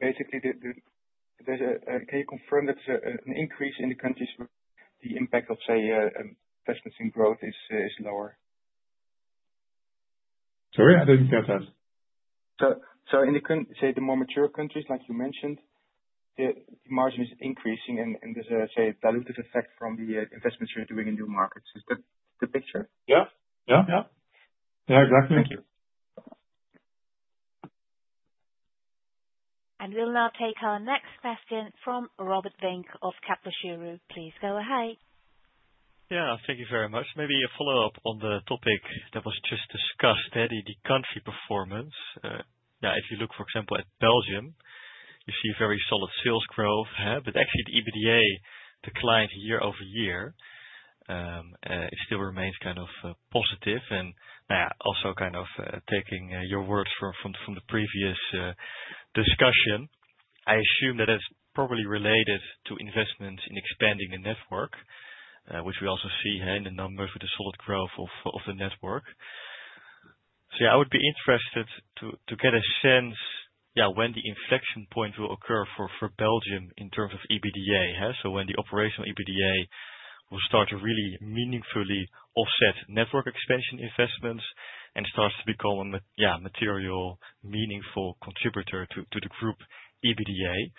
Basically, can you confirm that there's an increase in the countries where the impact of, say, investments in growth is lower? Sorry, I didn't get that. In the more mature countries, like you mentioned, the margin is increasing, and there's a diluted effect from the investments you're doing in new markets. Is that the picture? Yeah, exactly. Thank you. We will now take our next question from Robert Vink of Kepler Cheuvreux. Please go ahead. Thank you very much. Maybe a follow-up on the topic that was just discussed, the country performance. If you look, for example, at Belgium, you see very solid sales growth, but actually, the EBITDA declined year over year. It still remains kind of positive. Also, taking your words from the previous discussion, I assume that it's probably related to investments in expanding the network, which we also see in the numbers with the solid growth of the network. I would be interested to get a sense when the inflection point will occur for Belgium in terms of EBITDA. When the operational EBITDA will start to really meaningfully offset network expansion investments and starts to become a material, meaningful contributor to the group EBITDA.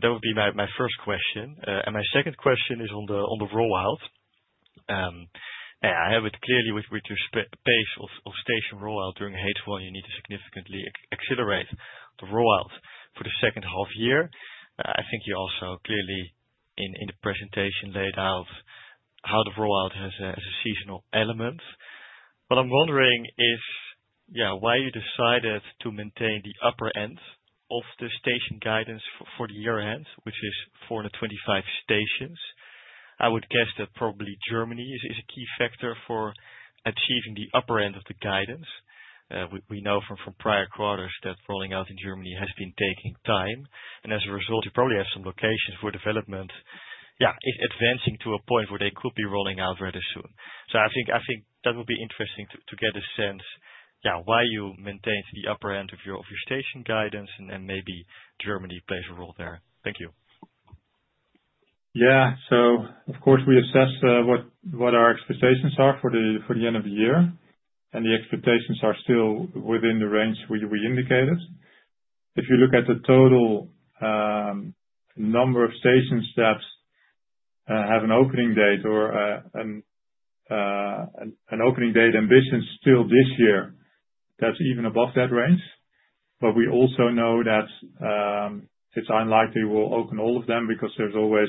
That would be my first question. My second question is on the rollout. I have it clearly with the pace of station rollout during H1, you need to significantly accelerate the rollout for the second half year. I think you also clearly in the presentation laid out how the rollout has a seasonal element. What I'm wondering is why you decided to maintain the upper end of the station guidance for the year-end, which is 425 stations. I would guess that probably Germany is a key factor for achieving the upper end of the guidance. We know from prior quarters that rolling out in Germany has been taking time. As a result, you probably have some locations where development is advancing to a point where they could be rolling out rather soon. I think that would be interesting to get a sense why you maintained the upper end of your station guidance, and maybe Germany plays a role there. Thank you. Yeah, of course, we assess what our expectations are for the end of the year, and the expectations are still within the range we indicated. If you look at the total number of stations that have an opening date or an opening date ambition still this year, that's even above that range. We also know that it's unlikely we'll open all of them because there's always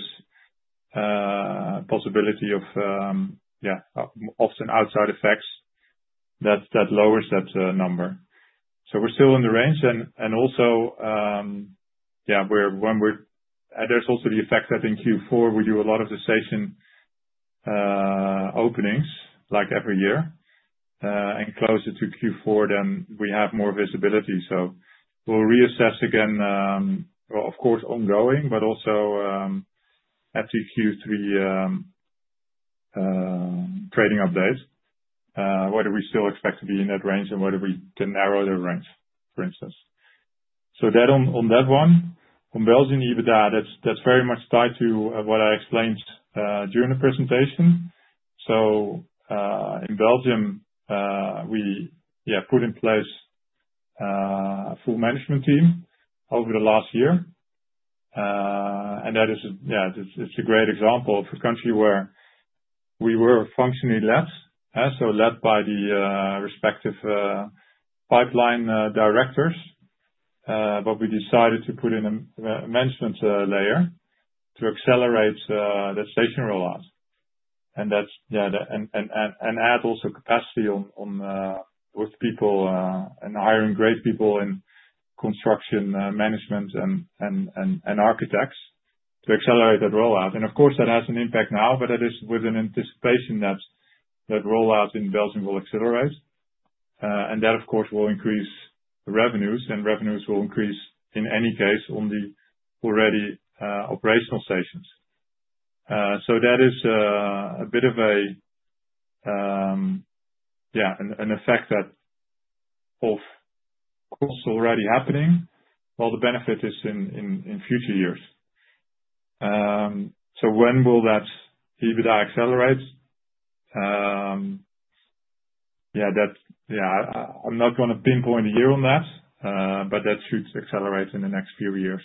a possibility of, yeah, often outside effects that lower that number. We're still in the range. Also, there's the effect that in Q4, we do a lot of the station openings, like every year, and closer to Q4, we have more visibility. We'll reassess again, of course ongoing, but also at the Q3 trading update, whether we still expect to be in that range and whether we can narrow the range, for instance. On Belgium EBITDA, that's very much tied to what I explained during the presentation. In Belgium, we put in place a full management team over the last year. That is a great example of a country where we were functioning less, so led by the respective pipeline directors, but we decided to put in a management layer to accelerate the station rollout. That's, yeah, and add also capacity with people and hiring great people in construction management and architects to accelerate that rollout. Of course, that has an impact now, but that is with an anticipation that that rollout in Belgium will accelerate. That, of course, will increase the revenues, and revenues will increase in any case on the already operational stations. That is a bit of an effect that is already happening, while the benefit is in future years. When will that EBITDA accelerate? I'm not going to pinpoint a year on that, but that should accelerate in the next few years.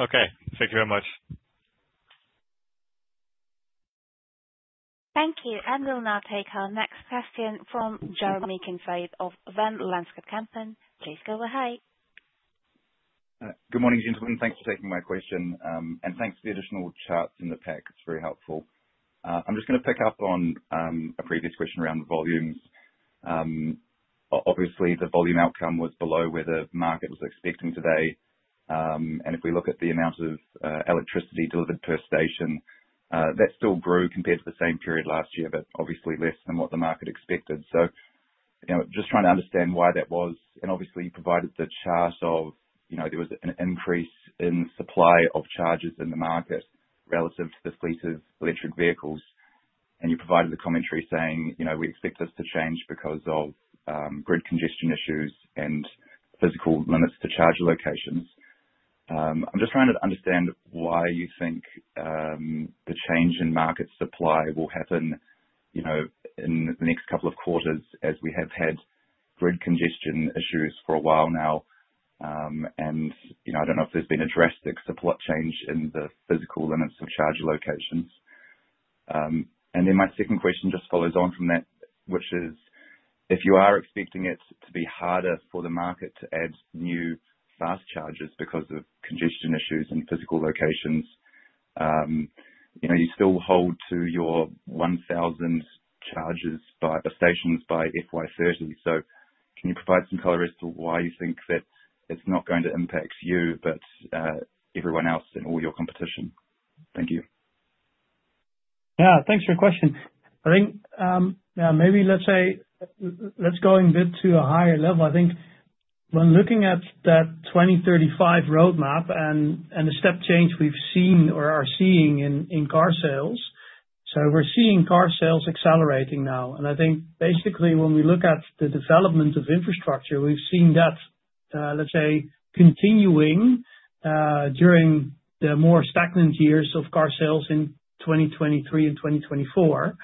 Okay. Thank you very much. Thank you. We'll now take our next question from Jeremy Kincaid of Wenlandscape and Kempen. Please go ahead. Good morning, gentlemen. Thanks for taking my question. Thanks for the additional chat in the pack. It's very helpful. I'm just going to cover up. On a previous question around the volumes, obviously, the volume outcome was below where the market was expecting today. If we look at the amount of electricity delivered per station, that still grew compared to the same period last year, but obviously less than what the market expected. Just trying to understand why that was. You provided the chart of, you know, there was an increase in supply of chargers in the market relative to the fleet of electric vehicles. You provided the commentary saying, you know, we expect this to change because of grid congestion issues and physical limits to charger locations. I'm just trying to understand why you think the change in market supply will happen in the next couple of quarters as we have had grid congestion issues for a while now. I don't know if there's been a drastic supply change in the physical limits of charger locations. My second question just follows on from that, which is if you are expecting it to be harder for the market to add new fast chargers because of congestion issues and physical locations, you still hold to your 1,000 chargers by stations by FY30. Can you provide some color as to why you think that it's not going to impact you, but everyone else and all your competition? Thank you. Yeah, thanks for your question. I think maybe let's go a bit to a higher level. I think when looking at that 2035 roadmap and the step change we've seen or are seeing in car sales, we're seeing car sales accelerating now. I think basically when we look at the development of infrastructure, we've seen that continuing during the more stagnant years of car sales in 2023 and 2024.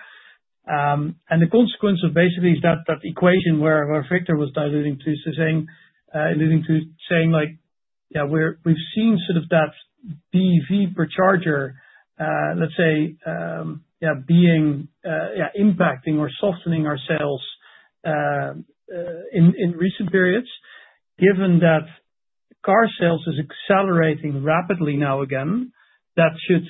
The consequence basically is that that equation where Victor was diluting to, saying like, yeah, we've seen sort of that BEV per charger, let's say, impacting or softening our sales in recent periods. Given that car sales are accelerating rapidly now again, that should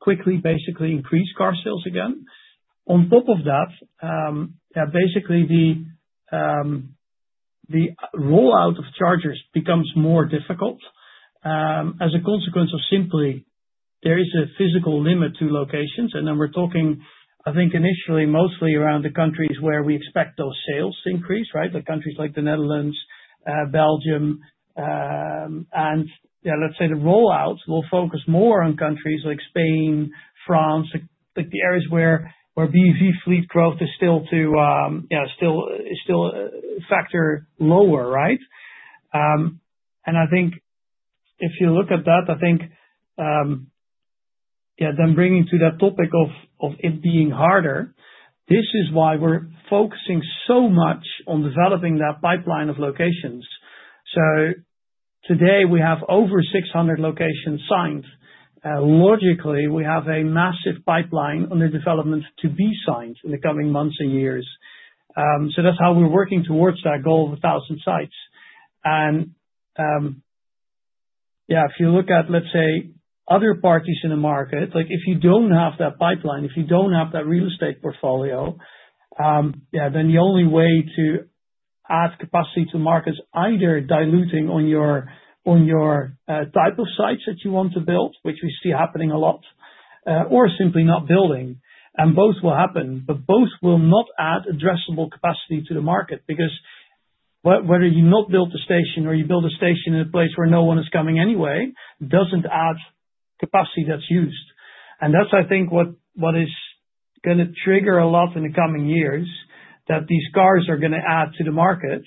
quickly basically increase car sales again. On top of that, basically the rollout of chargers becomes more difficult as a consequence of simply there is a physical limit to locations. We're talking, I think, initially mostly around the countries where we expect those sales to increase, right? Like countries like the Netherlands, Belgium, and let's say the rollout will focus more on countries like Spain, France, like the areas where BEV fleet growth is still a factor lower, right? I think if you look at that, then bringing to that topic of it being harder, this is why we're focusing so much on developing that pipeline of locations. Today we have over 600 locations signed. Logically, we have a massive pipeline under development to be signed in the coming months and years. That's how we're working towards that goal of 1,000 sites. If you look at, let's say, other parties in the market, like if you don't have that pipeline, if you don't have that real estate portfolio, then the only way to add capacity to market is either diluting on your type of sites that you want to build, which we see happening a lot, or simply not building. Both will happen, but both will not add addressable capacity to the market because whether you not build the station or you build a station in a place where no one is coming anyway, doesn't add capacity that's used. That's what is going to trigger a lot in the coming years that these cars are going to add to the market.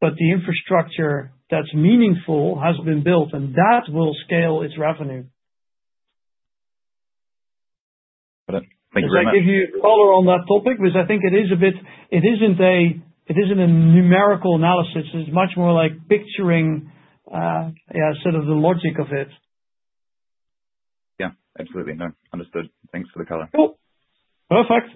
The infrastructure that's meaningful has been built and that will scale its revenue. Can I give you a color on that topic? I think it is a bit, it isn't a numerical analysis. It's much more like picturing, yeah, sort of the logic of it. Yeah, absolutely. No, understood. Thanks for the color. Cool. Perfect.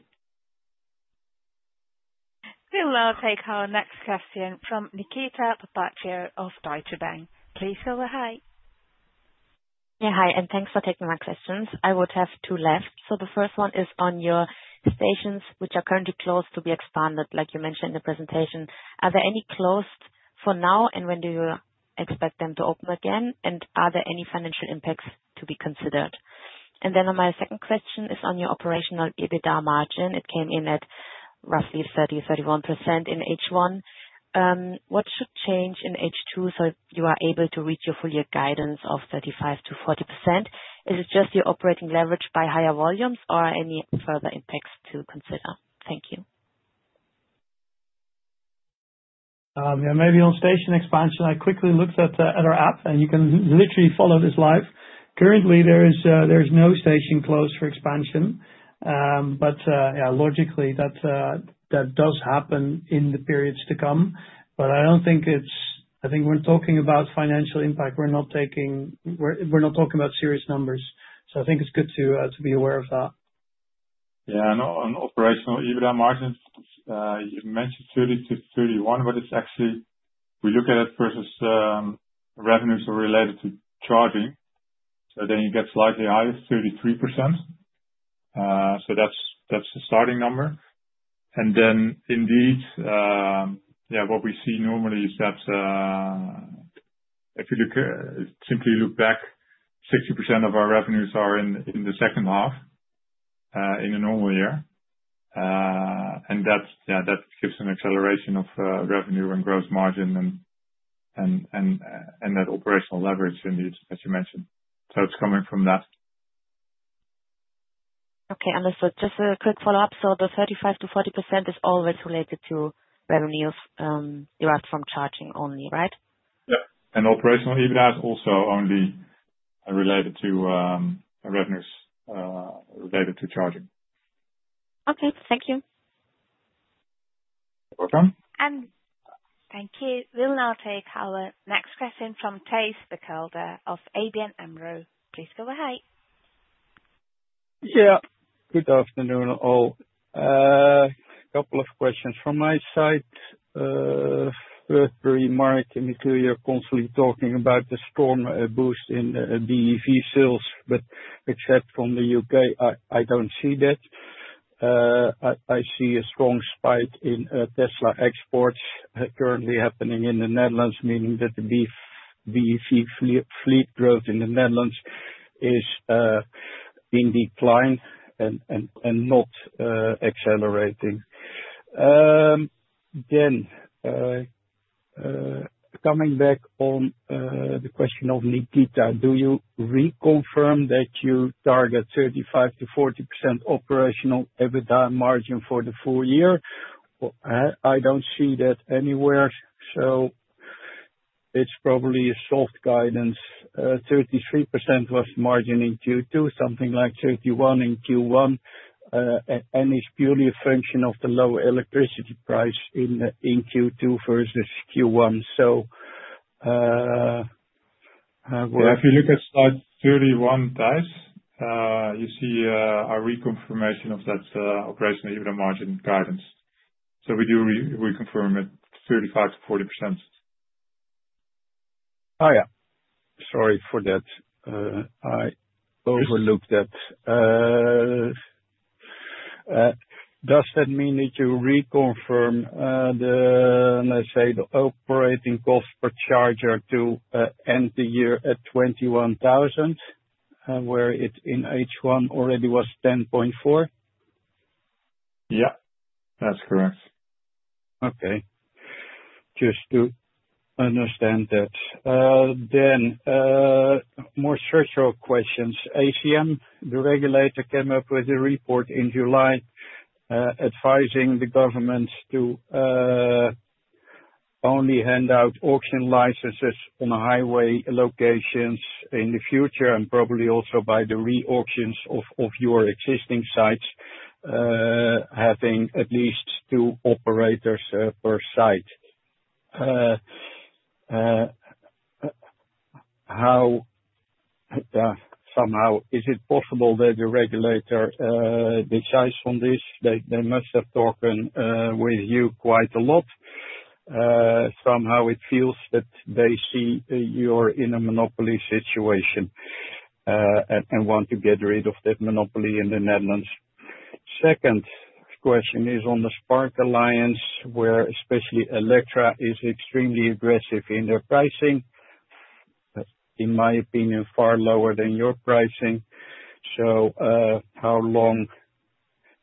We'll now take our next question from Nikita Lal of Deutsche Bank. Please go ahead. Yeah, hi, and thanks for taking my questions. I would have two left. The first one is on your stations, which are currently closed to be expanded, like you mentioned in the presentation. Are there any closed for now, and when do you expect them to open again? Are there any financial impacts to be considered? On my second question, it is on your operational EBITDA margin. It came in at roughly 30%, 31% in H1. What should change in H2 so you are able to reach your full-year guidance of 35%-40%? Is it just the operating leverage by higher volumes or are there any further impacts to consider? Thank you. Yeah, maybe on station expansion, I quickly looked at our app, and you can literally follow this live. Currently, there is no station closed for expansion. Logically, that does happen in the periods to come. I don't think it's, I think when talking about financial impact, we're not talking about serious numbers. I think it's good to be aware of that. Yeah, and on operational EBITDA margins, you mentioned 30%-31%, but it's actually, we look at it versus revenues related to charging. You get slightly higher, 33%. That's the starting number. What we see normally is that if you simply look back, 60% of our revenues are in the second half in a normal year. That gives an acceleration of revenue and gross margin and that operational leverage, as you mentioned. It's coming from that. Okay, this was just a quick follow-up. The 35%-40% is always related to revenues derived from charging only, right? Operational EBITDA is also only related to revenues related to charging. Okay, thank you. Thank you. We'll now take our next question from Thijs Berkelder of ABN AMRO. Please go ahead. Yeah, good afternoon all. A couple of questions from my side. Firstly, Mike and Nicur, constantly talking about the storm boost in BEV sales, but except from the U.K. I don't see that. I see a strong spike in Tesla exports currently happening in the Netherlands, meaning that the BEC fleet growth in the Netherlands is in decline and not accelerating. Coming back on the question of Nikita, do you reconfirm that you target 35%-40% operational EBITDA margin for the full year? I don't see that anywhere. It's probably a soft guidance. 33% was margin in Q2, something like 31% in Q1. It's purely a function of the lower electricity price in Q2 versus Q1. If you look at slide 31, you see a reconfirmation of that operational EBITDA margin guidance. We do reconfirm it at 35%-40%. Oh, yeah. Sorry for that. I overlooked that. Does that mean that you reconfirm the, let's say, the operating cost per charger to end the year at 21,000, where it in H1 already was 10.4? Yeah, that's correct. Okay. Just to understand that. Then more structural questions. ACM, the regulator, came up with a report in July, advising the government to only hand out auction licenses on highway locations in the future and probably also by the re-auctions of your existing sites, having at least two operators per site. Somehow, is it possible that the regulator decides on this? They must have talked with you quite a lot. Somehow it feels that they see you're in a monopoly situation and want to get rid of that monopoly in the Netherlands. Second question is on the Spark Alliance, where especially Elektra is extremely aggressive in their pricing, but in my opinion, far lower than your pricing. How long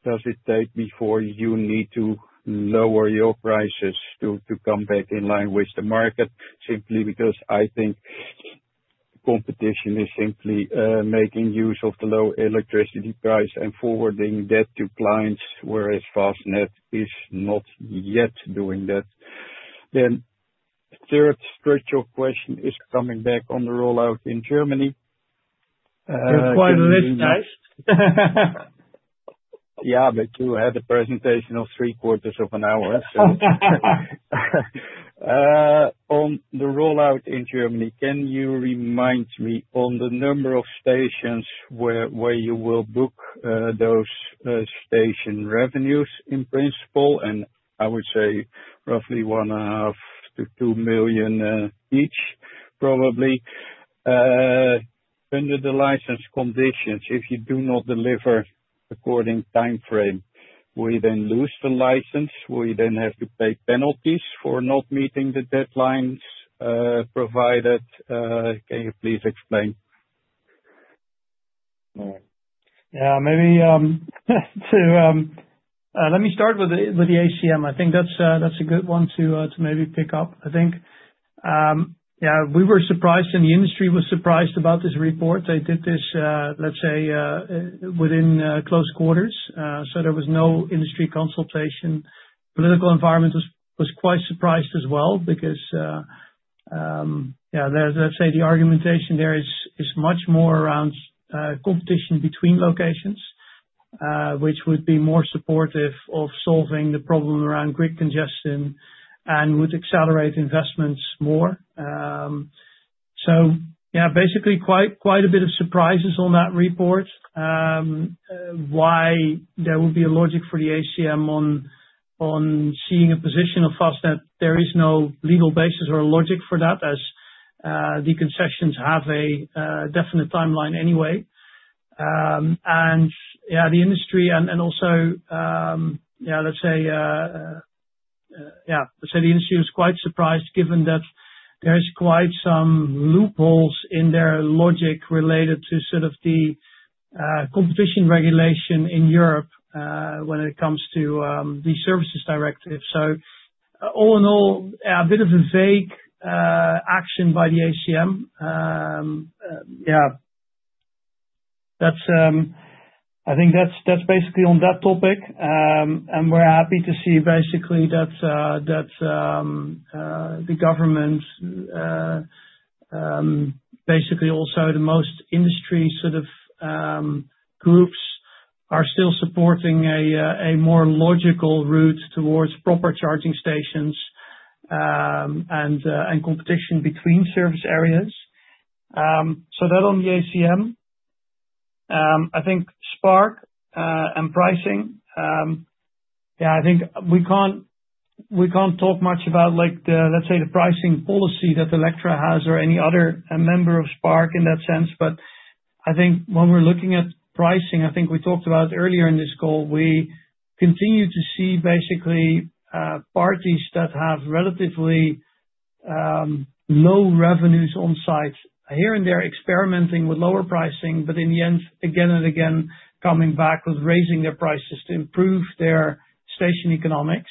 does it take before you need to lower your prices to come back in line with the market? Simply because I think competition is simply making use of the low electricity price and forwarding that to clients, whereas Fastnet is not yet doing that. The third stretch of question is coming back on the rollout in Germany. There's quite a list, guys. You had a presentation of three quarters of an hour. On the rollout in Germany, can you remind me on the number of stations where you will book those station revenues in principle? I would say roughly 1.5 million-2 million each, probably. Under the license conditions, if you do not deliver according to the timeframe, will you then lose the license? Will you then have to pay penalties for not meeting the deadlines provided? Can you please explain? Yeah, maybe let me start with the ACM. I think that's a good one to pick up. I think we were surprised and the industry was surprised about this report. They did this within close quarters. There was no industry consultation. The political environment was quite surprised as well because the argumentation there is much more around competition between locations, which would be more supportive of solving the problem around grid congestion and would accelerate investments more. Basically, quite a bit of surprises on that report. Why there would be a logic for the ACM on seeing a position of Fastned, there is no legal basis or a logic for that as the concessions have a definite timeline anyway. The industry was quite surprised given that there are quite some loopholes in their logic related to the competition regulation in Europe when it comes to the services directive. All in all, a bit of a vague action by the ACM. I think that's basically on that topic. We're happy to see that the government and most industry groups are still supporting a more logical route towards proper charging stations and competition between service areas. That on the ACM. I think Spark and pricing, we can't talk much about the pricing policy that Elektra has or any other member of Spark in that sense. When we're looking at pricing, as we talked about earlier in this call, we continue to see parties that have relatively low revenues on sites here and there, experimenting with lower pricing, but in the end, again and again, coming back with raising their prices to improve their station economics.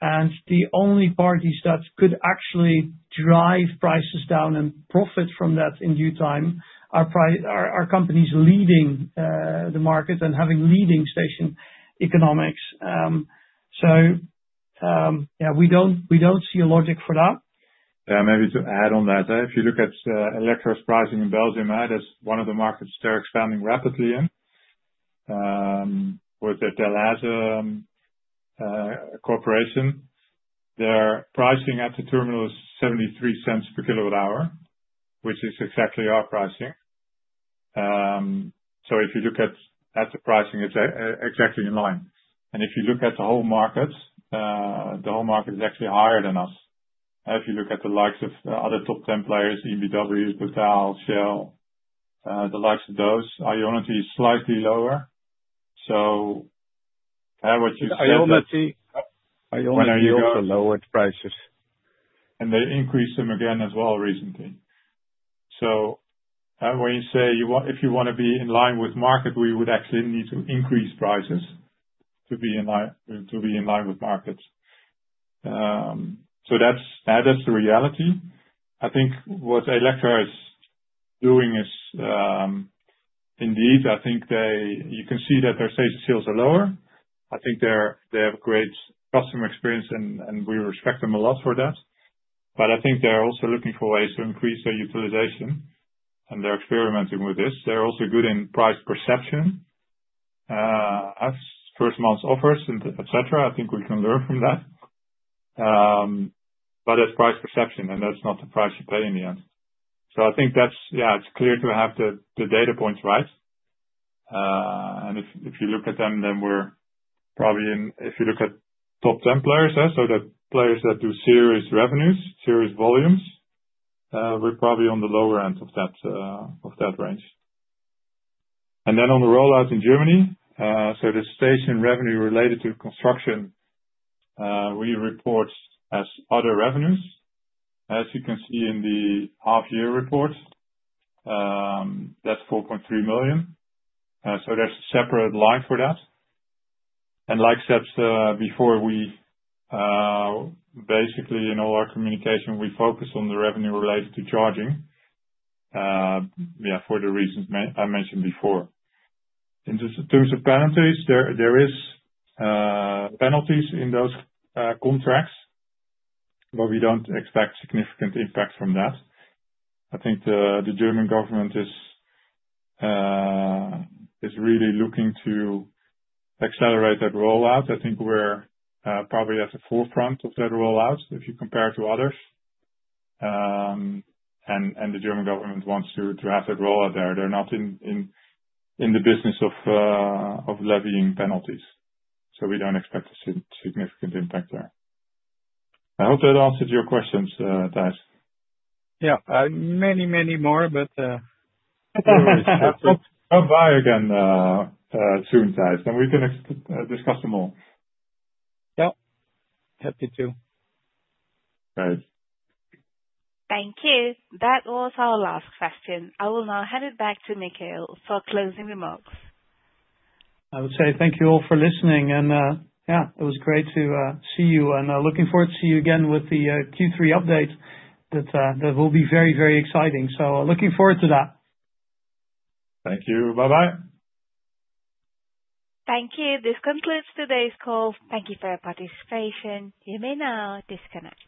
The only parties that could actually drive prices down and profit from that in due time are companies leading the market and having leading station economics. We don't see a logic for that. Yeah, maybe to add on that, if you look at Electra's pricing in Belgium, that's one of the markets they're expanding rapidly in. With the Dalaz Corporation, their pricing at the terminal is 0.73 per kilowatt hour, which is exactly our pricing. If you look at the pricing, it's exactly in line. If you look at the whole market, the whole market is actually higher than us. If you look at the likes of other top 10 players, the EBW, Total, Shell, the likes of those, Ionity is slightly lower. When I use the lowered prices. They increased them again as well recently. When you say you want, if you want to be in line with market, we would actually need to increase prices to be in line with markets. That's the reality. I think what Elektra is doing is indeed, I think you can see that their station sales are lower. I think they have a great customer experience, and we respect them a lot for that. I think they're also looking for ways to increase their utilization, and they're experimenting with this. They're also good in price perception. As first month's offers, etc., I think we can learn from that. That's price perception, and that's not the price you pay in the end. I think it's clear to have the data points right. If you look at them, then we're probably in, if you look at top 10 players, so the players that do serious revenues, serious volumes, we're probably on the lower end of that range. On the rollout in Germany, the station revenue related to construction we report as other revenues. As you can see in the half-year report, that's 4.3 million. There's a separate line for that. Like I said before, in all our communication, we focus on the revenue related to charging for the reasons I mentioned before. In terms of penalties, there are penalties in those contracts, but we don't expect significant impacts from that. The German government is really looking to accelerate that rollout. We're probably at the forefront of that rollout if you compare to others. The German government wants to have that rollout there. They're not in the business of levying penalties. We don't expect a significant impact there. I hope that answered your questions, guys. Yeah, many, many more. I'll buy again soon, guys, and we can discuss them all. Thank you. That was our last question. I will now hand it back to Michiel for closing remarks. Thank you all for listening. It was great to see you, and looking forward to seeing you again with the Q3 update. That will be very, very exciting. Looking forward to that. Thank you. Bye-bye. Thank you. This concludes today's call. Thank you for your participation. You may now disconnect.